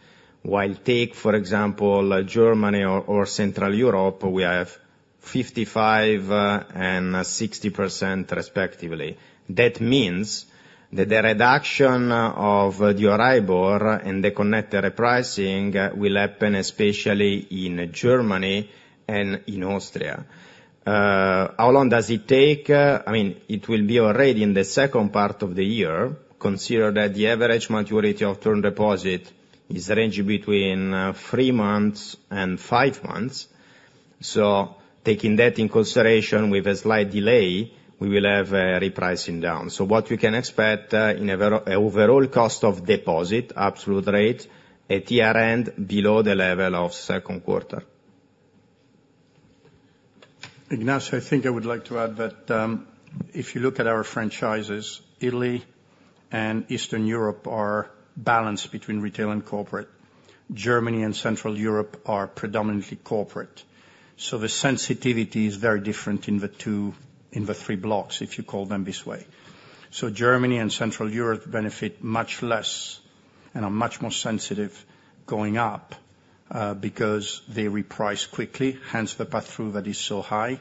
while, take, for example, Germany or Central Europe, we have 55% and 60% respectively. That means that the reduction of the Euribor and the connected repricing will happen especially in Germany and in Austria. How long does it take? I mean, it will be already in the second part of the year, considering that the average maturity of term deposit is ranging between three months and five months. So, taking that in consideration with a slight delay, we will have a repricing down. So, what we can expect in overall cost of deposit, absolute rate, at year-end below the level of second quarter. Ignacio, I think I would like to add that if you look at our franchises, Italy and Eastern Europe are balanced between retail and corporate. Germany and Central Europe are predominantly corporate. So, the sensitivity is very different in the three blocs, if you call them this way. So, Germany and Central Europe benefit much less and are much more sensitive going up because they reprice quickly, hence the pass-through that is so high.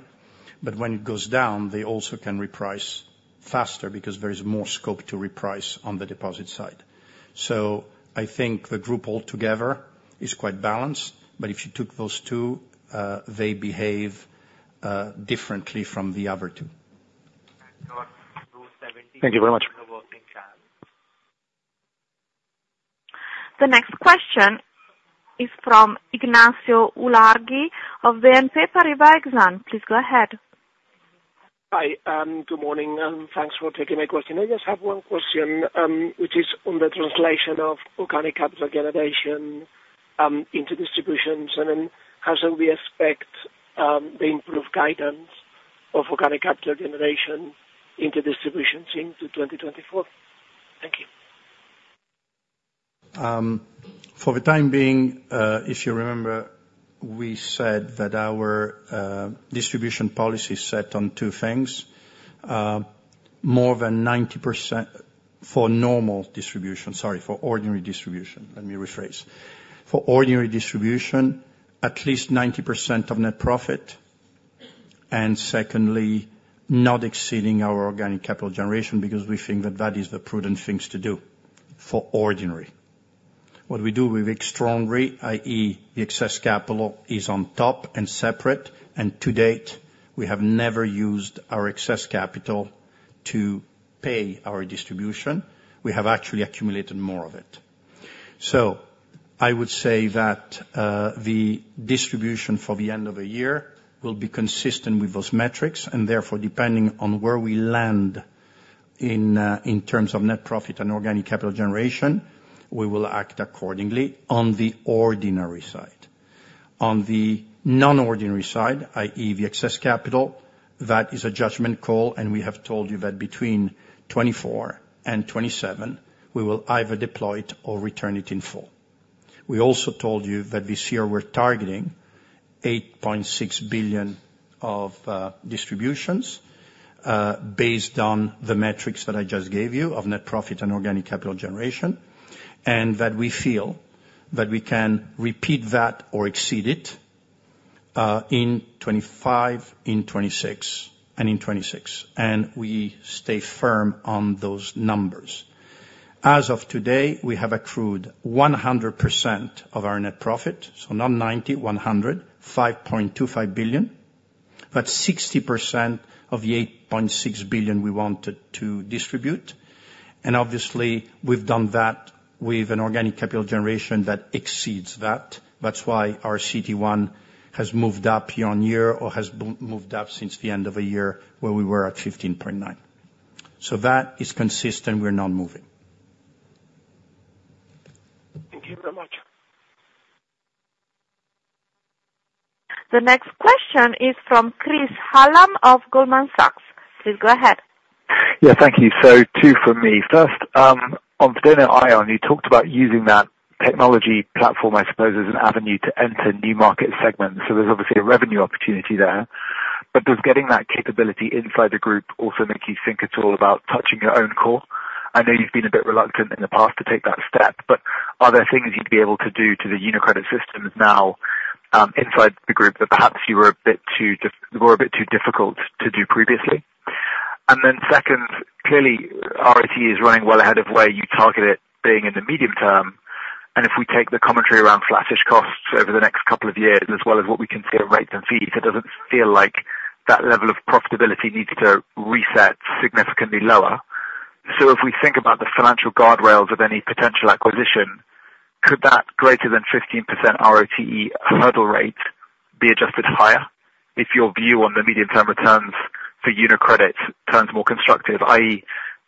But when it goes down, they also can reprice faster because there is more scope to reprice on the deposit side. So, I think the group altogether is quite balanced. But if you took those two, they behave differently from the other two. Thank you very much. The next question is from Ignacio Ulargui of BNP Paribas. Please go ahead. Hi. Good morning. Thanks for taking my question. I just have one question, which is on the translation of organic capital generation into distributions. And then how shall we expect the improved guidance of organic capital generation into distributions into 2024? Thank you. For the time being, if you remember, we said that our distribution policy is set on two things. More than 90% for normal distribution, sorry, for ordinary distribution. Let me rephrase. For ordinary distribution, at least 90% of net profit. And secondly, not exceeding our organic capital generation because we think that that is the prudent things to do for ordinary. What we do, we make strong rate, i.e., the excess capital is on top and separate. To date, we have never used our excess capital to pay our distribution. We have actually accumulated more of it. So I would say that the distribution for the end of the year will be consistent with those metrics. And therefore, depending on where we land in terms of net profit and organic capital generation, we will act accordingly on the ordinary side. On the non-ordinary side, i.e., the excess capital, that is a judgment call. And we have told you that between 2024 and 2027, we will either deploy it or return it in full. We also told you that this year we're targeting 8.6 billion of distributions based on the metrics that I just gave you of net profit and organic capital generation, and that we feel that we can repeat that or exceed it in 2025, in 2026, and in 2026. And we stay firm on those numbers. As of today, we have accrued 100% of our net profit. So not 90%, 100%, 5.25 billion, but 60% of the 8.6 billion we wanted to distribute. And obviously, we've done that with an organic capital generation that exceeds that. That's why our CET1 has moved up year-over-year or has moved up since the end of the year where we were at 15.9. So that is consistent. We're not moving. Thank you very much. The next question is from Chris Hallam of Goldman Sachs. Please go ahead. Yeah. Thank you. So two for me. First, on Aion, you talked about using that technology platform, I suppose, as an avenue to enter new market segments. So there's obviously a revenue opportunity there. But does getting that capability inside the group also make you think at all about touching your own core? I know you've been a bit reluctant in the past to take that step, but are there things you'd be able to do to the UniCredit systems now inside the group that perhaps you were a bit too difficult to do previously? And then second, clearly, ROTE is running well ahead of where you target it being in the medium term. And if we take the commentary around flattish costs over the next couple of years, as well as what we consider rates and fees, it doesn't feel like that level of profitability needs to reset significantly lower. So if we think about the financial guardrails of any potential acquisition, could that greater than 15% ROTE hurdle rate be adjusted higher if your view on the medium-term returns for UniCredit turns more constructive, i.e.,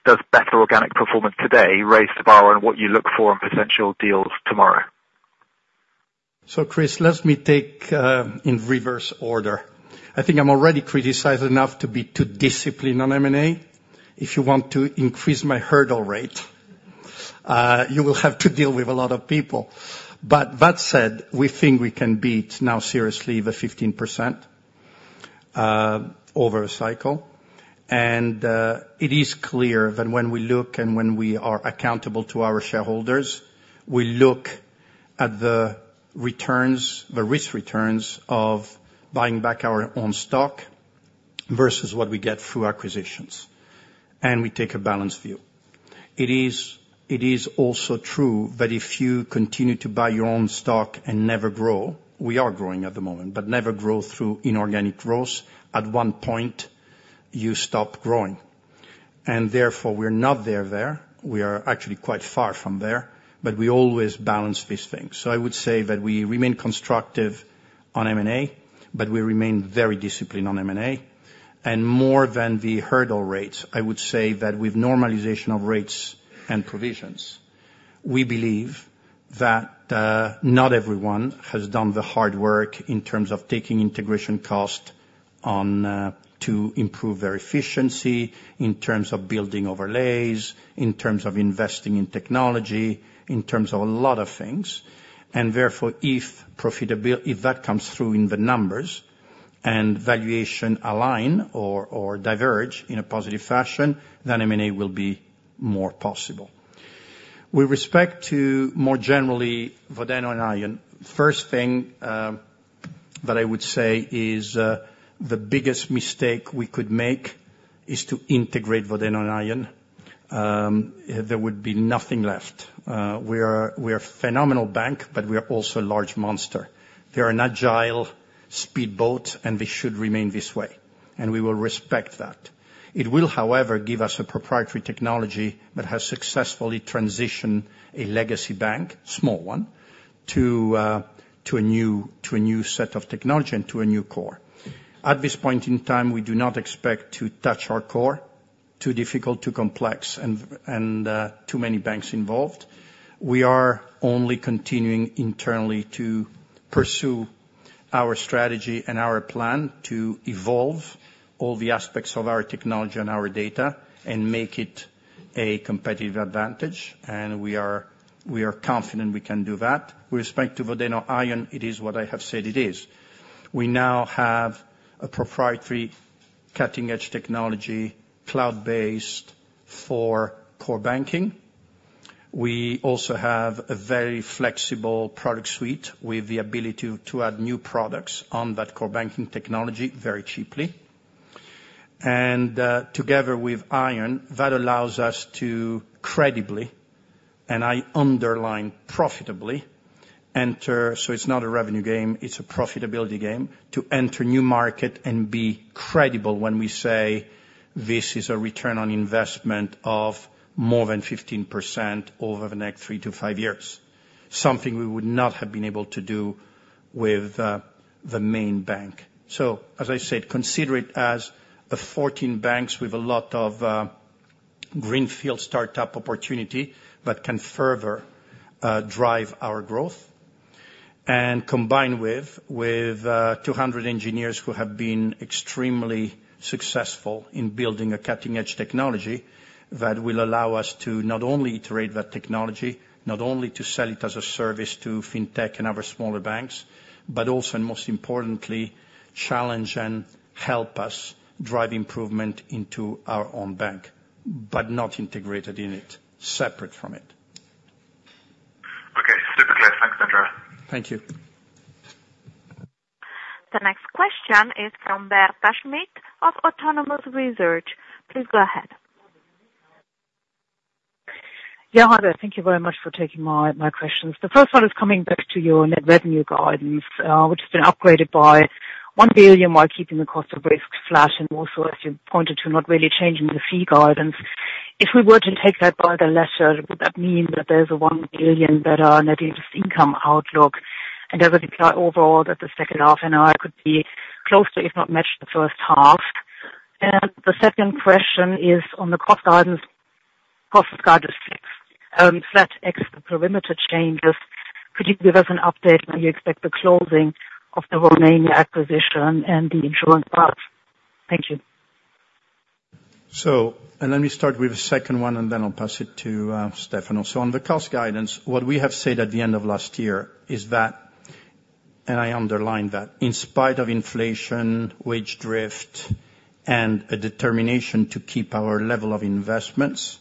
does better organic performance today raise the bar on what you look for in potential deals tomorrow? So Chris, let me take in reverse order. I think I'm already criticized enough to be too disciplined on M&A. If you want to increase my hurdle rate, you will have to deal with a lot of people. But that said, we think we can beat now seriously the 15% over a cycle. And it is clear that when we look and when we are accountable to our shareholders, we look at the returns, the risk returns of buying back our own stock versus what we get through acquisitions. And we take a balanced view. It is also true that if you continue to buy your own stock and never grow, we are growing at the moment, but never grow through inorganic growth, at one point you stop growing. And therefore, we're not there there. We are actually quite far from there. But we always balance these things. So I would say that we remain constructive on M&A, but we remain very disciplined on M&A. And more than the hurdle rates, I would say that with normalization of rates and provisions, we believe that not everyone has done the hard work in terms of taking integration cost on to improve their efficiency in terms of building overlays, in terms of investing in technology, in terms of a lot of things. And therefore, if that comes through in the numbers and valuation align or diverge in a positive fashion, then M&A will be more possible. With respect to more generally Vodeno and Aion, first thing that I would say is the biggest mistake we could make is to integrate Vodeno and Aion. There would be nothing left. We are a phenomenal bank, but we are also a large monster. They are an agile speedboat, and they should remain this way. And we will respect that. It will, however, give us a proprietary technology that has successfully transitioned a legacy bank, small one, to a new set of technology and to a new core. At this point in time, we do not expect to touch our core. Too difficult, too complex, and too many banks involved. We are only continuing internally to pursue our strategy and our plan to evolve all the aspects of our technology and our data and make it a competitive advantage. And we are confident we can do that. With respect to Vodeno and Aion, it is what I have said it is. We now have a proprietary cutting-edge technology cloud-based for core banking. We also have a very flexible product suite with the ability to add new products on that core banking technology very cheaply. And together with Aion, that allows us to credibly, and I underline profitably, enter. So it's not a revenue game. It's a profitability game to enter new market and be credible when we say this is a return on investment of more than 15% over the next three to five years, something we would not have been able to do with the main bank. So as I said, consider it as 14 banks with a lot of greenfield startup opportunity that can further drive our growth. And combined with 200 engineers who have been extremely successful in building a cutting-edge technology that will allow us to not only iterate that technology, not only to sell it as a service to fintech and other smaller banks, but also, and most importantly, challenge and help us drive improvement into our own bank, but not integrated in it, separate from it. Okay. Super clear. Thanks, Andrea. Thank you. The next question is from Britta Schmidt of Autonomous Research. Please go ahead. Yeah. Hi. Thank you very much for taking my questions. The first one is coming back to your net revenue guidance, which has been upgraded by 1 billion while keeping the cost of risk flat and also, as you pointed to, not really changing the fee guidance. If we were to take that by the letter, would that mean that there's a 1 billion better net interest income outlook? And does it imply overall that the second half and it could be closer, if not matched, the first half? And the second question is on the cost guidance, cost guidance flat, except the perimeter changes. Could you give us an update when you expect the closing of the Romania acquisition and the insurance parts? Thank you. So let me start with the second one, and then I'll pass it to Stefano. So on the cost guidance, what we have said at the end of last year is that—and I underline that—in spite of inflation, wage drift, and a determination to keep our level of investments,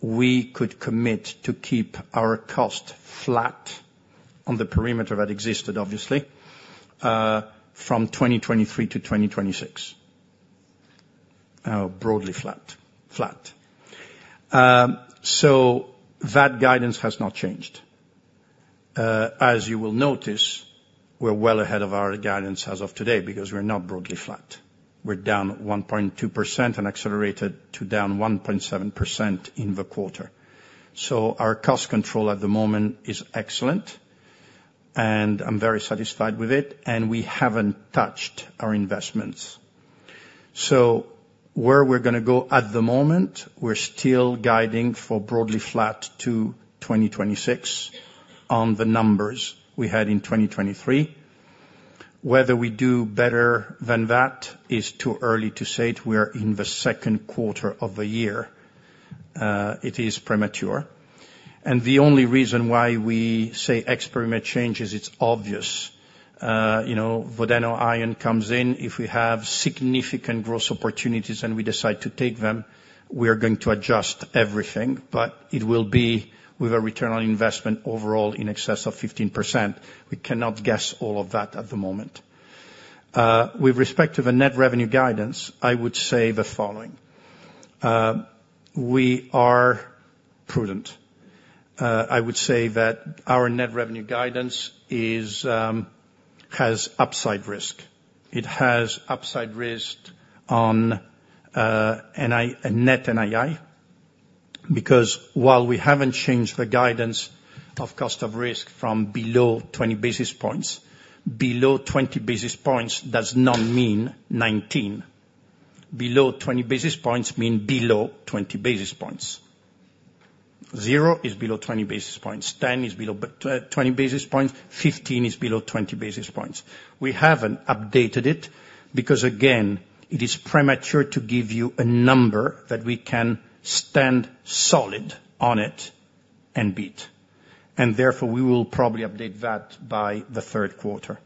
we could commit to keep our cost flat on the perimeter that existed, obviously, from 2023 to 2026, broadly flat. So that guidance has not changed. As you will notice, we're well ahead of our guidance as of today because we're not broadly flat. We're down 1.2% and accelerated to down 1.7% in the quarter. So our cost control at the moment is excellent, and I'm very satisfied with it. And we haven't touched our investments. So where we're going to go at the moment, we're still guiding for broadly flat to 2026 on the numbers we had in 2023. Whether we do better than that is too early to say it. We are in the second quarter of the year. It is premature. And the only reason why we say ex perimeter change is it's obvious. Vodeno and Aion comes in. If we have significant growth opportunities and we decide to take them, we are going to adjust everything. But it will be with a return on investment overall in excess of 15%. We cannot guess all of that at the moment. With respect to the net revenue guidance, I would say the following. We are prudent. I would say that our net revenue guidance has upside risk. It has upside risk on NII because while we haven't changed the guidance of cost of risk from below 20 basis points, below 20 basis points does not mean 19. Below 20 basis points means below 20 basis points. 0 is below 20 basis points. 10 is below 20 basis points. 15 is below 20 basis points. We haven't updated it because, again, it is premature to give you a number that we can stand solid on it and beat. And therefore, we will probably update that by the third quarter.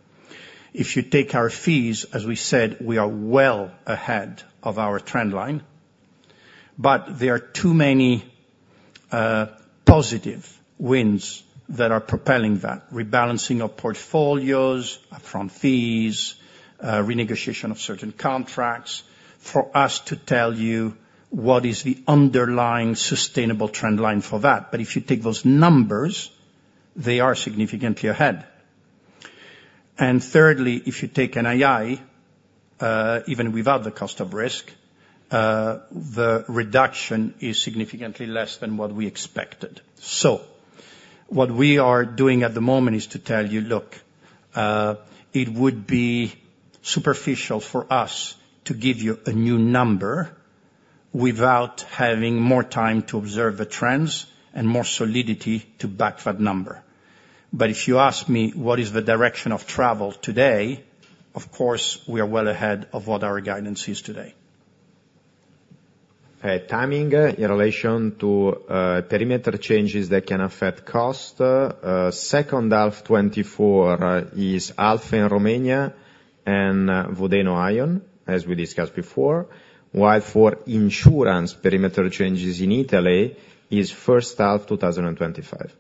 If you take our fees, as we said, we are well ahead of our trend line. But there are too many positive wins that are propelling that, rebalancing our portfolios from fees, renegotiation of certain contracts for us to tell you what is the underlying sustainable trend line for that. But if you take those numbers, they are significantly ahead. And thirdly, if you take NII, even without the cost of risk, the reduction is significantly less than what we expected. So what we are doing at the moment is to tell you, "Look, it would be superficial for us to give you a new number without having more time to observe the trends and more solidity to back that number." But if you ask me what is the direction of travel today, of course, we are well ahead of what our guidance is today. Timing in relation to perimeter changes that can affect cost. Second half 2024 is Alpha in Romania and Vodeno and Aion, as we discussed before, while for insurance, perimeter changes in Italy is first half 2025.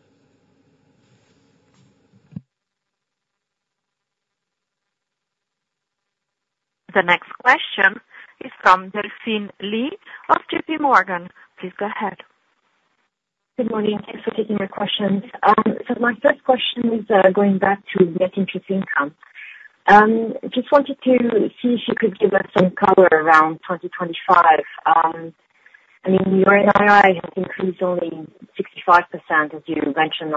The next question is from Delphine Lee of JPMorgan. Please go ahead. Good morning. Thanks for taking my questions. So my first question is going back to net interest income. Just wanted to see if you could give us some color around 2025. I mean, your NII has increased only 65%, as you mentioned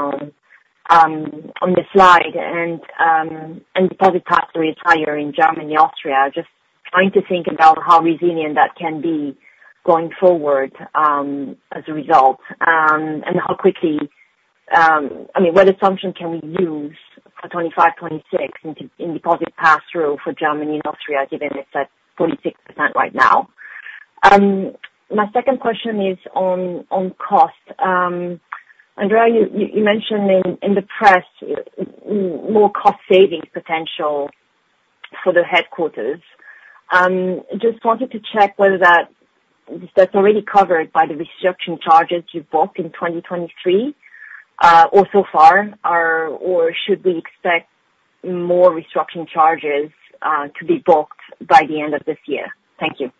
on the slide, and deposit pass-through higher in Germany, Austria. Just trying to think about how resilient that can be going forward as a result and how quickly—I mean, what assumption can we use for 2025, 2026 in deposit pass-through for Germany and Austria, given it's at 46% right now? My second question is on cost. Andrea, you mentioned in the press more cost savings potential for the headquarters. Just wanted to check whether that's already covered by the restructuring charges you booked in 2023 or so far, or should we expect more restructuring charges to be booked by the end of this year? Thank you.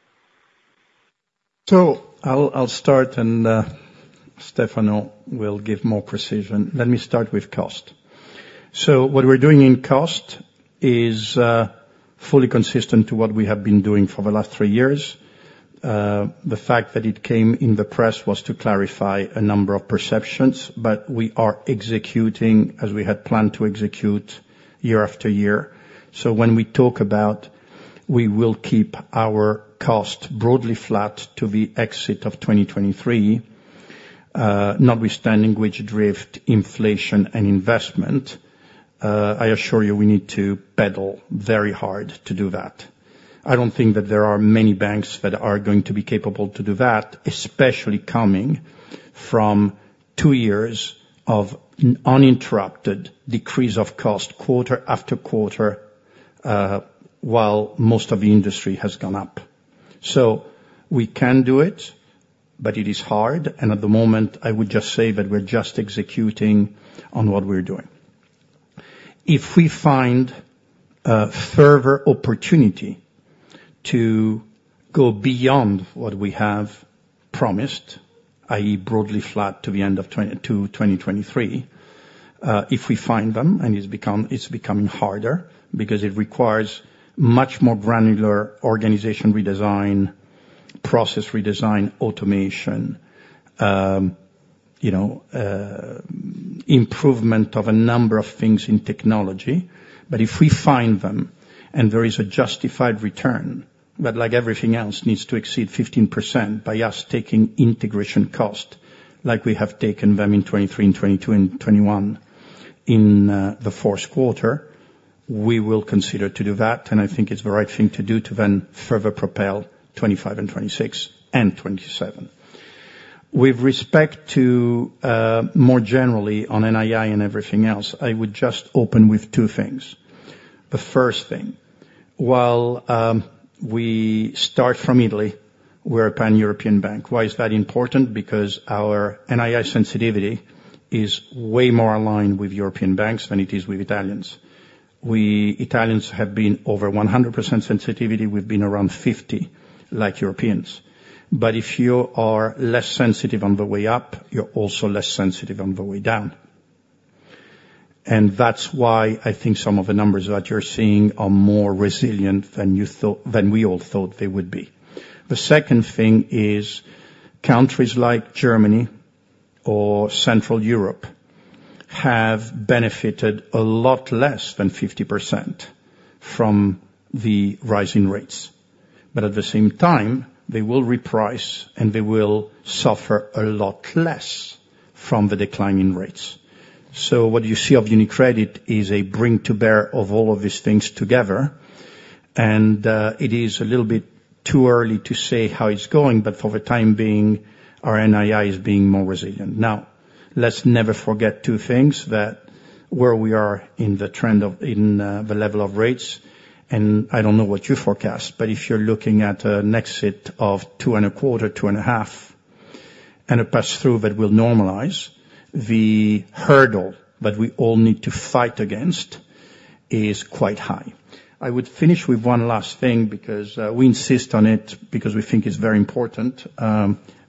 So I'll start, and Stefano will give more precision. Let me start with cost. So what we're doing in cost is fully consistent to what we have been doing for the last three years. The fact that it came in the press was to clarify a number of perceptions, but we are executing as we had planned to execute year after year. So when we talk about we will keep our cost broadly flat to the exit of 2023, notwithstanding wage drift, inflation, and investment, I assure you we need to pedal very hard to do that. I don't think that there are many banks that are going to be capable to do that, especially coming from two years of uninterrupted decrease of cost quarter after quarter while most of the industry has gone up. So we can do it, but it is hard. At the moment, I would just say that we're just executing on what we're doing. If we find a further opportunity to go beyond what we have promised, i.e., broadly flat to the end of 2023, if we find them, and it's becoming harder because it requires much more granular organization redesign, process redesign, automation, improvement of a number of things in technology, but if we find them and there is a justified return that, like everything else, needs to exceed 15% by us taking integration cost like we have taken them in 2023 and 2022 and 2021 in the fourth quarter, we will consider to do that. And I think it's the right thing to do to then further propel 2025 and 2026 and 2027. With respect to more generally on NII and everything else, I would just open with two things. The first thing, while we start from Italy, we're a pan-European bank. Why is that important? Because our NII sensitivity is way more aligned with European banks than it is with Italians. Italians have been over 100% sensitivity. We've been around 50, like Europeans. But if you are less sensitive on the way up, you're also less sensitive on the way down. And that's why I think some of the numbers that you're seeing are more resilient than we all thought they would be. The second thing is countries like Germany or Central Europe have benefited a lot less than 50% from the rising rates. But at the same time, they will reprice, and they will suffer a lot less from the decline in rates. So what you see of UniCredit is a bring-to-bear of all of these things together. And it is a little bit too early to say how it's going, but for the time being, our NII is being more resilient. Now, let's never forget two things: that where we are in the trend of the level of rates, and I don't know what you forecast, but if you're looking at an exit of 2.25%-2.5%, and a pass-through that will normalize, the hurdle that we all need to fight against is quite high. I would finish with one last thing because we insist on it because we think it's very important.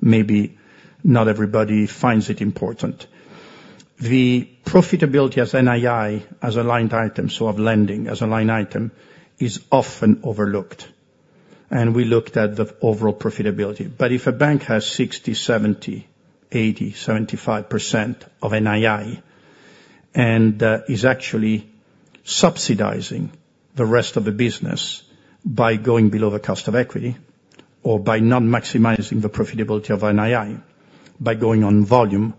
Maybe not everybody finds it important. The profitability as NII, as a line item, so of lending, as a line item, is often overlooked. We looked at the overall profitability. But if a bank has 60%, 70%, 80%, 75% of NII and is actually subsidizing the rest of the business by going below the cost of equity or by not maximizing the profitability of NII by going on volume,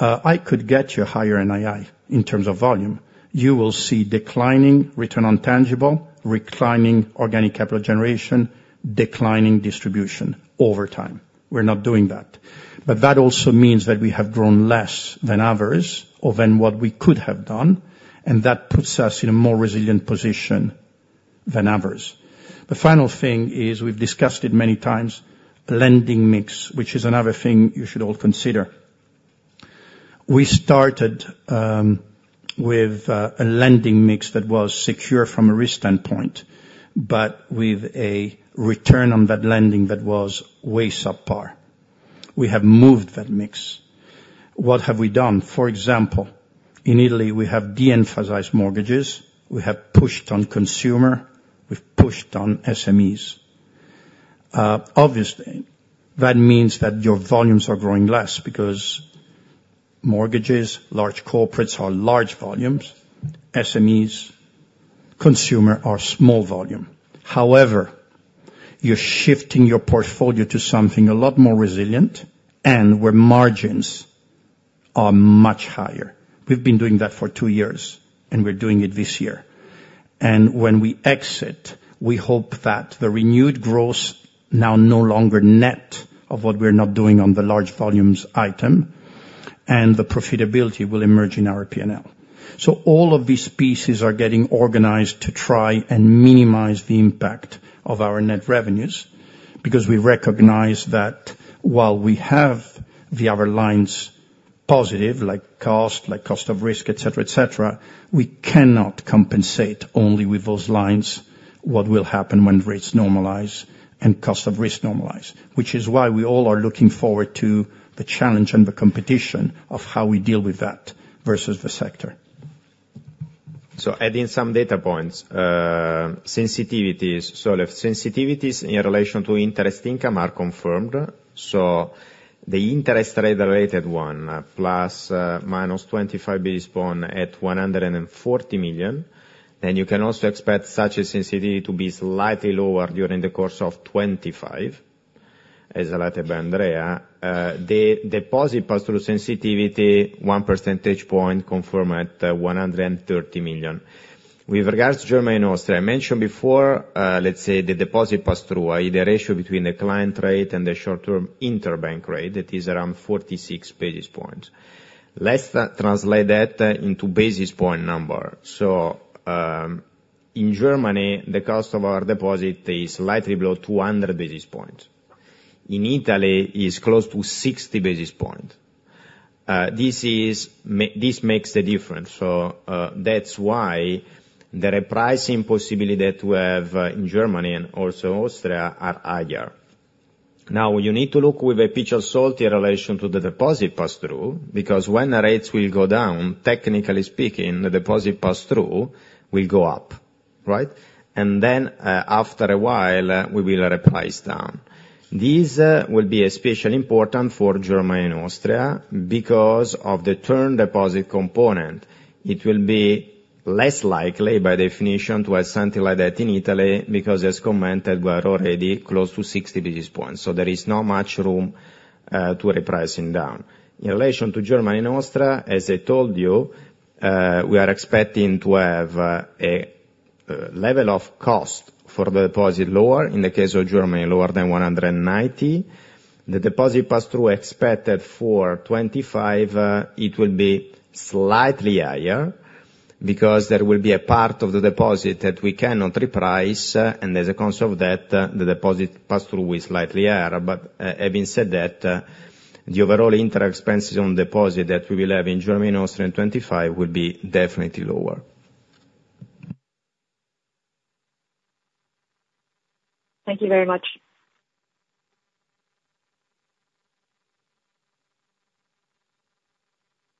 I could get you a higher NII in terms of volume. You will see declining return on tangible, declining organic capital generation, declining distribution over time. We're not doing that. But that also means that we have grown less than others or than what we could have done, and that puts us in a more resilient position than others. The final thing is we've discussed it many times, lending mix, which is another thing you should all consider. We started with a lending mix that was secure from a risk standpoint, but with a return on that lending that was way subpar. We have moved that mix. What have we done? For example, in Italy, we have de-emphasized mortgages. We have pushed on consumer. We've pushed on SMEs. Obviously, that means that your volumes are growing less because mortgages, large corporates are large volumes. SMEs, consumer are small volume. However, you're shifting your portfolio to something a lot more resilient, and where margins are much higher. We've been doing that for two years, and we're doing it this year. And when we exit, we hope that the renewed growth is now no longer net of what we're not doing on the large volumes item, and the profitability will emerge in our P&L. So all of these pieces are getting organized to try and minimize the impact of our net revenues because we recognize that while we have the other lines positive, like cost, like cost of risk, etc., etc., we cannot compensate only with those lines what will happen when rates normalize and cost of risk normalize, which is why we all are looking forward to the challenge and the competition of how we deal with that versus the sector. So adding some data points, sensitivities. So the sensitivities in relation to interest income are confirmed. So the interest-related one, ±25 basis points at 140 million. Then you can also expect such a sensitivity to be slightly lower during the course of 2025, as I'll leave it to Andrea. The deposit pass-through sensitivity, 1 percentage point confirmed at 130 million. With regards to Germany and Austria, I mentioned before, let's say the deposit pass-through, i.e., the ratio between the client rate and the short-term interbank rate, that is around 46 basis points. Let's translate that into basis point number. So in Germany, the cost of our deposit is slightly below 200 basis points. In Italy, it's close to 60 basis points. This makes the difference. So that's why the repricing possibility that we have in Germany and also Austria is higher. Now, you need to look with a pinch of salt in relation to the deposit pass-through because when the rates will go down, technically speaking, the deposit pass-through will go up, right? And then after a while, we will reprice down. This will be especially important for Germany and Austria because of the term deposit component. It will be less likely, by definition, to have something like that in Italy because, as commented, we are already close to 60 basis points. So there is not much room to repricing down. In relation to Germany and Austria, as I told you, we are expecting to have a level of cost for the deposit lower. In the case of Germany, lower than 190. The deposit pass-through expected for 2025, it will be slightly higher because there will be a part of the deposit that we cannot reprice. And as a consequence of that, the deposit pass-through will be slightly higher. But having said that, the overall interest expenses on deposit that we will have in Germany and Austria in 2025 will be definitely lower. Thank you very much.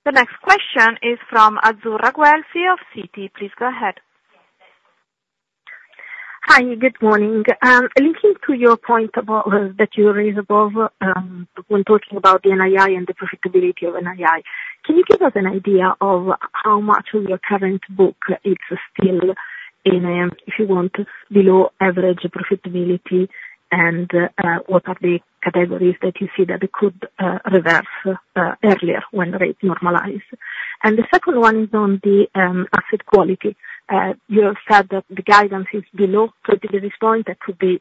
The next question is from Azzurra Guelfi of Citi. Please go ahead. Hi. Good morning. Linking to your point that you raised above, when talking about the NII and the profitability of NII, can you give us an idea of how much of your current book is still in, if you want, below average profitability, and what are the categories that you see that could reverse earlier when rates normalize? And the second one is on the asset quality. You have said that the guidance is below 20 basis points. That could be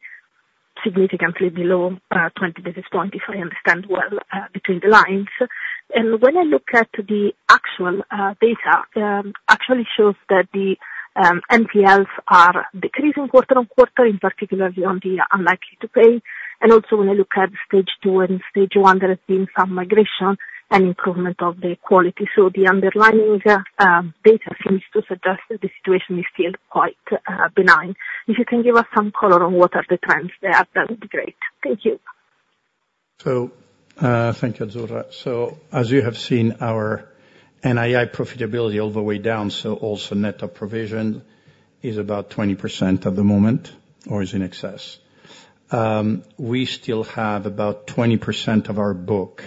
significantly below 20 basis points, if I understand well, between the lines. And when I look at the actual data, it actually shows that the NPLs are decreasing quarter-on-quarter, in particular on the unlikely to pay. And also, when I look at stage two and stage one, there has been some migration and improvement of the quality. So the underlying data seems to suggest that the situation is still quite benign. If you can give us some color on what are the trends there, that would be great. Thank you. So thank you, Azzurra. So as you have seen, our NII profitability all the way down, so also net of provision, is about 20% at the moment or is in excess. We still have about 20% of our book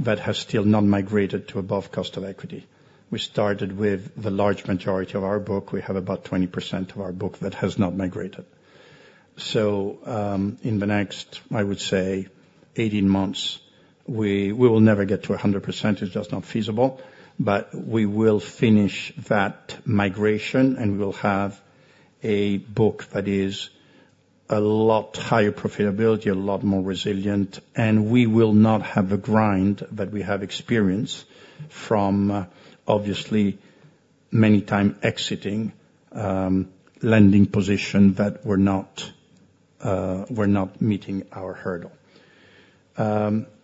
that has still not migrated to above cost of equity. We started with the large majority of our book. We have about 20% of our book that has not migrated. So in the next, I would say, 18 months, we will never get to 100%. It's just not feasible. But we will finish that migration, and we will have a book that is a lot higher profitability, a lot more resilient, and we will not have the grind that we have experienced from, obviously, many times exiting lending positions that were not meeting our hurdle.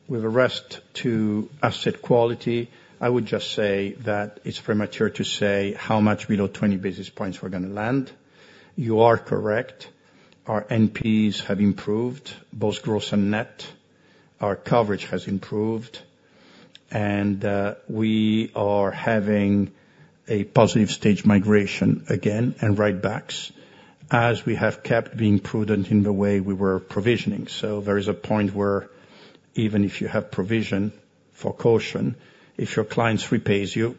With respect to asset quality, I would just say that it's premature to say how much below 20 basis points we're going to land. You are correct. Our NPEs have improved, both gross and net. Our coverage has improved. And we are having a positive stage migration again and write-backs as we have kept being prudent in the way we were provisioning. So there is a point where, even if you have provision for caution, if your client repays you,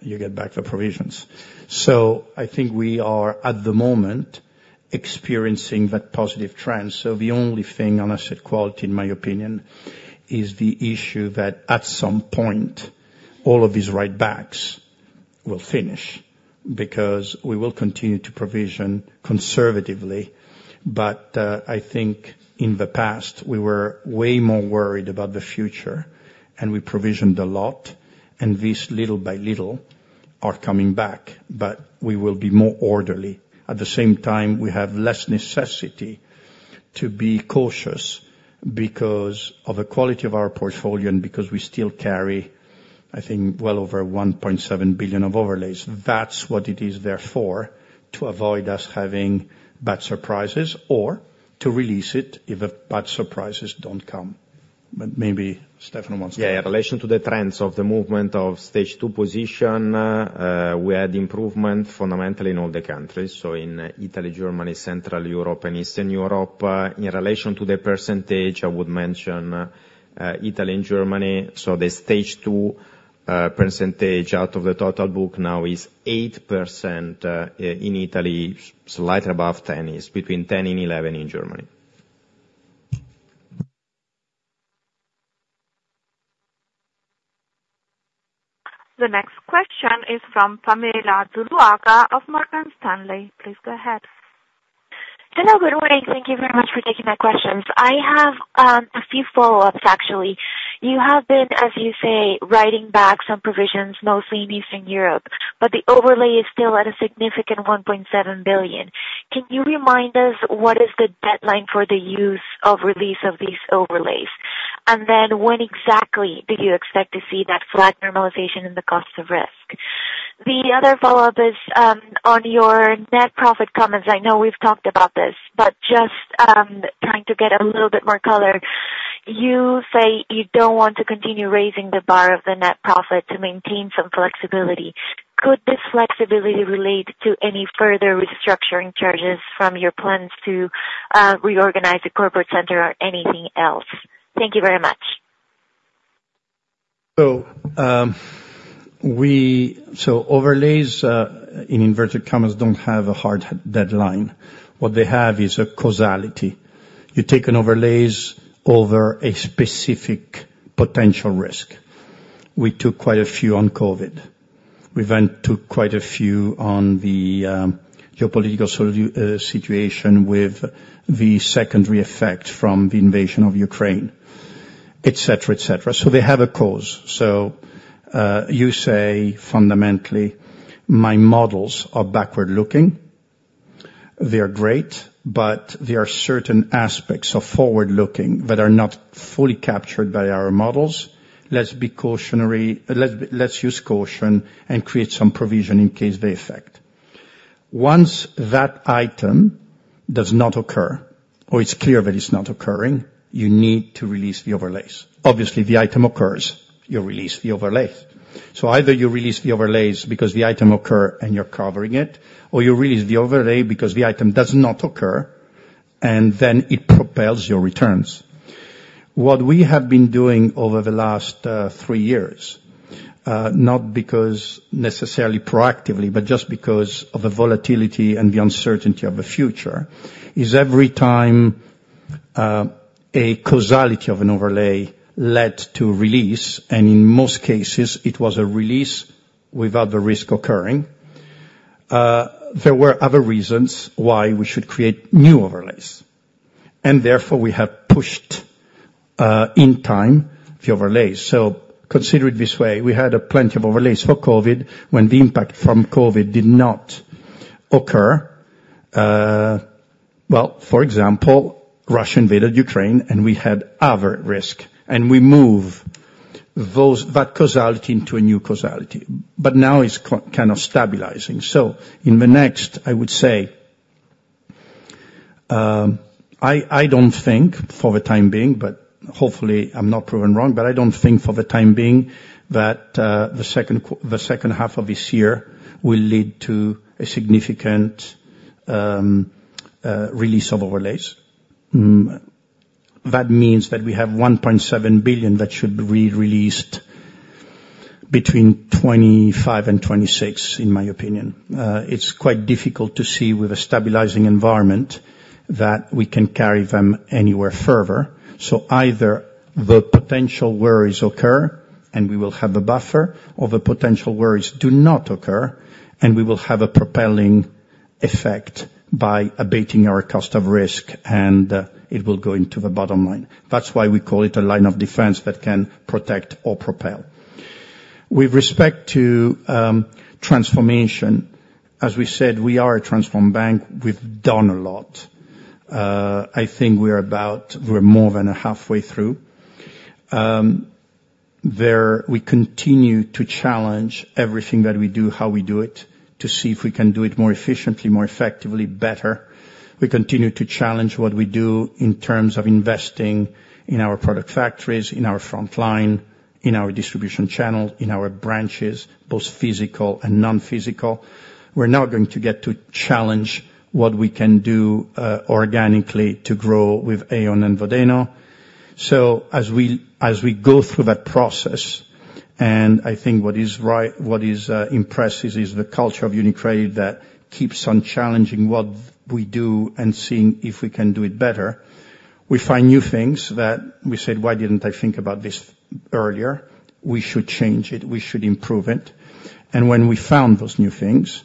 you get back the provisions. So I think we are, at the moment, experiencing that positive trend. So the only thing on asset quality, in my opinion, is the issue that, at some point, all of these write-backs will finish because we will continue to provision conservatively. But I think, in the past, we were way more worried about the future, and we provisioned a lot, and these little by little are coming back. But we will be more orderly. At the same time, we have less necessity to be cautious because of the quality of our portfolio and because we still carry, I think, well over 1.7 billion of overlays. That's what it is there for, to avoid us having bad surprises or to release it if bad surprises don't come. But maybe Stefano wants to. Yeah. In relation to the trends of the movement of Stage 2 position, we had improvement fundamentally in all the countries. So in Italy, Germany, Central Europe, and Eastern Europe. In relation to the percentage, I would mention Italy and Germany. So the Stage 2 percentage out of the total book now is 8% in Italy, slightly above 10%. It's between 10% and 11% in Germany. The next question is from Pamela Zuluaga of Morgan Stanley. Please go ahead. Hello. Good morning. Thank you very much for taking my questions. I have a few follow-ups, actually. You have been, as you say, writing back some provisions, mostly in Eastern Europe, but the overlay is still at a significant 1.7 billion. Can you remind us what is the deadline for the use of release of these overlays? And then when exactly do you expect to see that flat normalization in the cost of risk? The other follow-up is on your net profit comments. I know we've talked about this, but just trying to get a little bit more color. You say you don't want to continue raising the bar of the net profit to maintain some flexibility. Could this flexibility relate to any further restructuring charges from your plans to reorganize the corporate center or anything else? Thank you very much. So overlays, in inverted commas, don't have a hard deadline. What they have is a causality. You take an overlay over a specific potential risk. We took quite a few on COVID. We then took quite a few on the geopolitical situation with the secondary effect from the invasion of Ukraine, etc., etc. So they have a cause. So you say, fundamentally, my models are backward-looking. They are great, but there are certain aspects of forward-looking that are not fully captured by our models. Let's use caution and create some provision in case they affect. Once that item does not occur or it's clear that it's not occurring, you need to release the overlays. Obviously, the item occurs. You release the overlays. So either you release the overlays because the item occurs and you're covering it, or you release the overlay because the item does not occur, and then it propels your returns. What we have been doing over the last three years, not because necessarily proactively, but just because of the volatility and the uncertainty of the future, is every time a causality of an overlay led to release, and in most cases, it was a release without the risk occurring, there were other reasons why we should create new overlays. And therefore, we have pushed in time the overlays. So consider it this way. We had plenty of overlays for COVID when the impact from COVID did not occur. Well, for example, Russia invaded Ukraine, and we had other risk. We moved that overlay into a new overlay. Now it's kind of stabilizing. In the next, I would say, I don't think for the time being, but hopefully, I'm not proven wrong, but I don't think for the time being that the second half of this year will lead to a significant release of overlays. That means that we have 1.7 billion that should be re-released between 2025 and 2026, in my opinion. It's quite difficult to see with a stabilizing environment that we can carry them anywhere further. So either the potential worries occur and we will have a buffer, or the potential worries do not occur and we will have a propelling effect by abating our cost of risk, and it will go into the bottom line. That's why we call it a line of defense that can protect or propel. With respect to transformation, as we said, we are a transform bank. We've done a lot. I think we're more than halfway through. We continue to challenge everything that we do, how we do it, to see if we can do it more efficiently, more effectively, better. We continue to challenge what we do in terms of investing in our product factories, in our frontline, in our distribution channel, in our branches, both physical and non-physical. We're now going to get to challenge what we can do organically to grow with Aion and Vodeno. So as we go through that process, and I think what is impressive is the culture of UniCredit that keeps on challenging what we do and seeing if we can do it better, we find new things that we said, "Why didn't I think about this earlier? We should change it. We should improve it." And when we found those new things,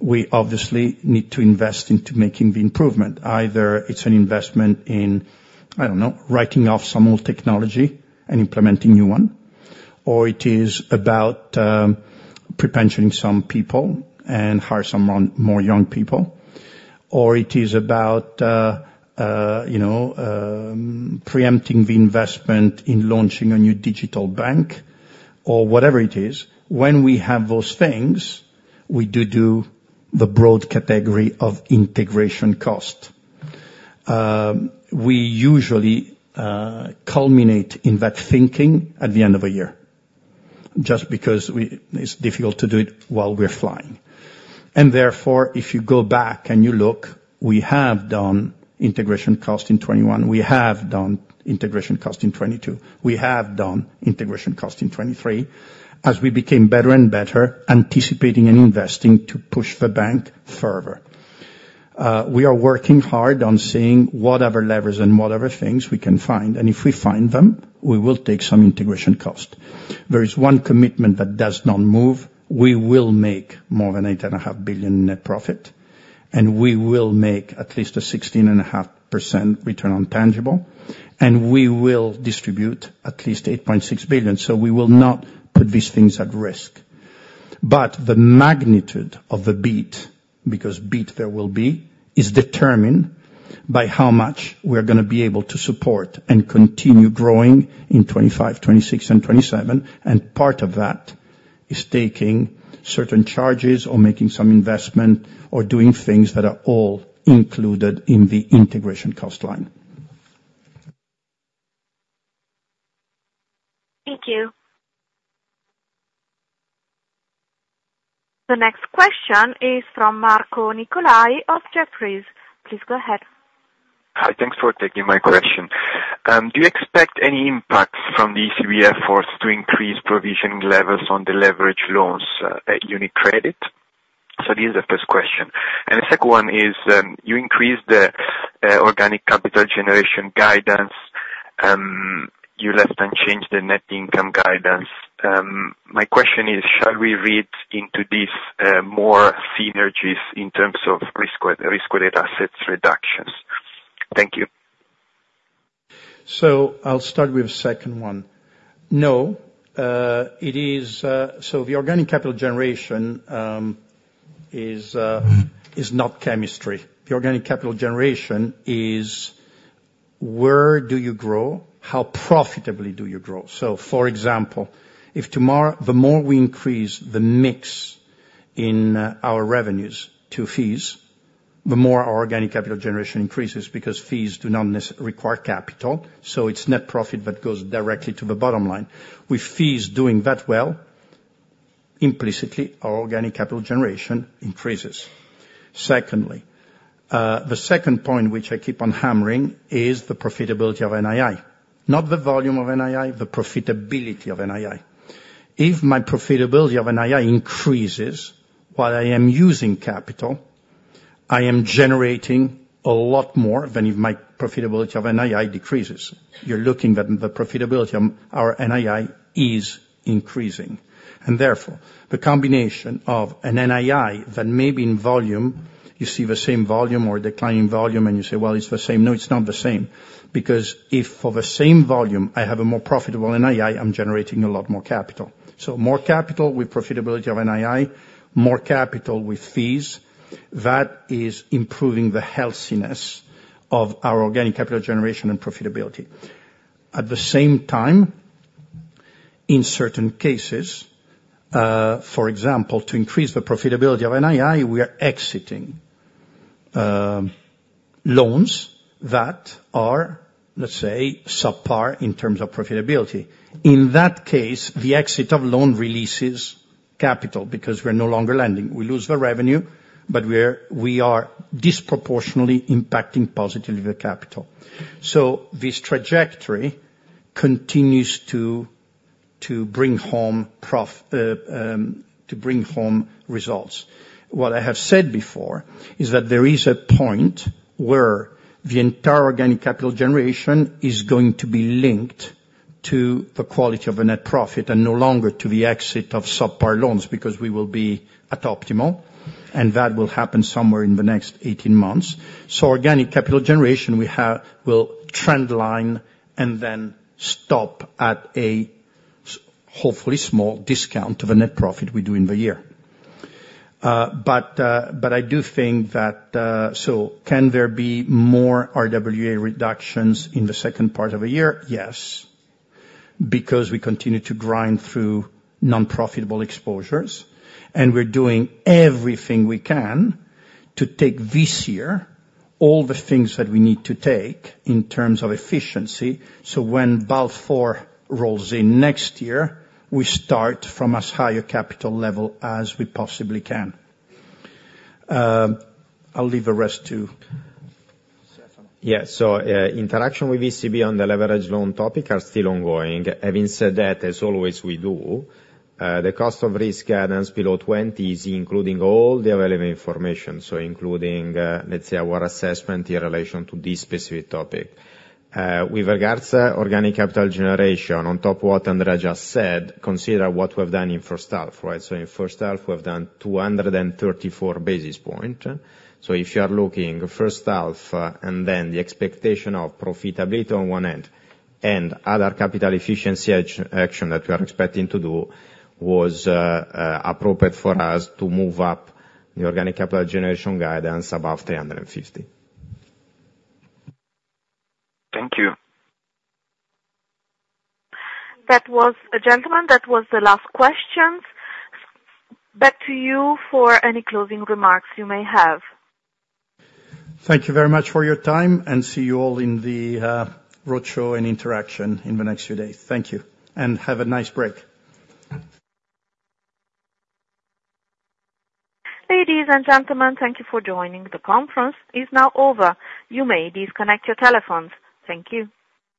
we obviously need to invest into making the improvement. Either it's an investment in, I don't know, writing off some old technology and implementing new one, or it is about pre-pensioning some people and hiring some more young people, or it is about preempting the investment in launching a new digital bank, or whatever it is. When we have those things, we do do the broad category of integration cost. We usually culminate in that thinking at the end of a year just because it's difficult to do it while we're flying. And therefore, if you go back and you look, we have done integration cost in 2021. We have done integration cost in 2022. We have done integration cost in 2023 as we became better and better, anticipating and investing to push the bank further. We are working hard on seeing whatever levers and whatever things we can find. And if we find them, we will take some integration cost. There is one commitment that does not move. We will make more than 8.5 billion net profit, and we will make at least a 16.5% return on tangible, and we will distribute at least 8.6 billion. So we will not put these things at risk. But the magnitude of the beat, because beat there will be, is determined by how much we are going to be able to support and continue growing in 2025, 2026, and 2027. And part of that is taking certain charges or making some investment or doing things that are all included in the integration cost line. Thank you. The next question is from Marco Nicolai of Jefferies. Please go ahead. Hi. Thanks for taking my question. Do you expect any impact from the ECB efforts to increase provisioning levels on the leverage loans at UniCredit? So this is the first question. And the second one is you increased the organic capital generation guidance. You left unchanged the net income guidance. My question is, shall we read into these more synergies in terms of risk-related assets reductions? Thank you. So I'll start with the second one. No. So the organic capital generation is not chemistry. The organic capital generation is where do you grow? How profitably do you grow? So, for example, the more we increase the mix in our revenues to fees, the more our organic capital generation increases because fees do not require capital. So it's net profit that goes directly to the bottom line. With fees doing that well, implicitly, our organic capital generation increases. Secondly, the second point which I keep on hammering is the profitability of NII. Not the volume of NII, the profitability of NII. If my profitability of NII increases while I am using capital, I am generating a lot more than if my profitability of NII decreases. You're looking at the profitability of our NII is increasing. Therefore, the combination of an NII that may be in volume, you see the same volume or declining volume, and you say, "Well, it's the same." No, it's not the same. Because if for the same volume, I have a more profitable NII, I'm generating a lot more capital. So more capital with profitability of NII, more capital with fees, that is improving the healthiness of our organic capital generation and profitability. At the same time, in certain cases, for example, to increase the profitability of NII, we are exiting loans that are, let's say, subpar in terms of profitability. In that case, the exit of loan releases capital because we're no longer lending. We lose the revenue, but we are disproportionately impacting positively the capital. So this trajectory continues to bring home results. What I have said before is that there is a point where the entire organic capital generation is going to be linked to the quality of the net profit and no longer to the exit of subpar loans because we will be at optimal, and that will happen somewhere in the next 18 months. So organic capital generation, we will trendline and then stop at a hopefully small discount of a net profit we do in the year. But I do think that so can there be more RWA reductions in the second part of a year? Yes. Because we continue to grind through non-profitable exposures, and we're doing everything we can to take this year all the things that we need to take in terms of efficiency. So when Basel IV rolls in next year, we start from as high a capital level as we possibly can. I'll leave the rest to. Yeah. So interaction with ECB on the leverage loan topic are still ongoing. Having said that, as always we do, the cost of risk guidance below 20 is including all the available information. So including, let's say, our assessment in relation to this specific topic. With regards to organic capital generation, on top of what Andrea just said, consider what we've done in first half, right? So in first half, we've done 234 basis points. So if you are looking first half and then the expectation of profitability on one end and other capital efficiency action that we are expecting to do was appropriate for us to move up the organic capital generation guidance above 350. Thank you. That was, gentlemen, that was the last questions. Back to you for any closing remarks you may have. Thank you very much for your time, and see you all in the roadshow and interaction in the next few days. Thank you, and have a nice break. Ladies and gentlemen, thank you for joining. The conference is now over. You may disconnect your telephones. Thank you.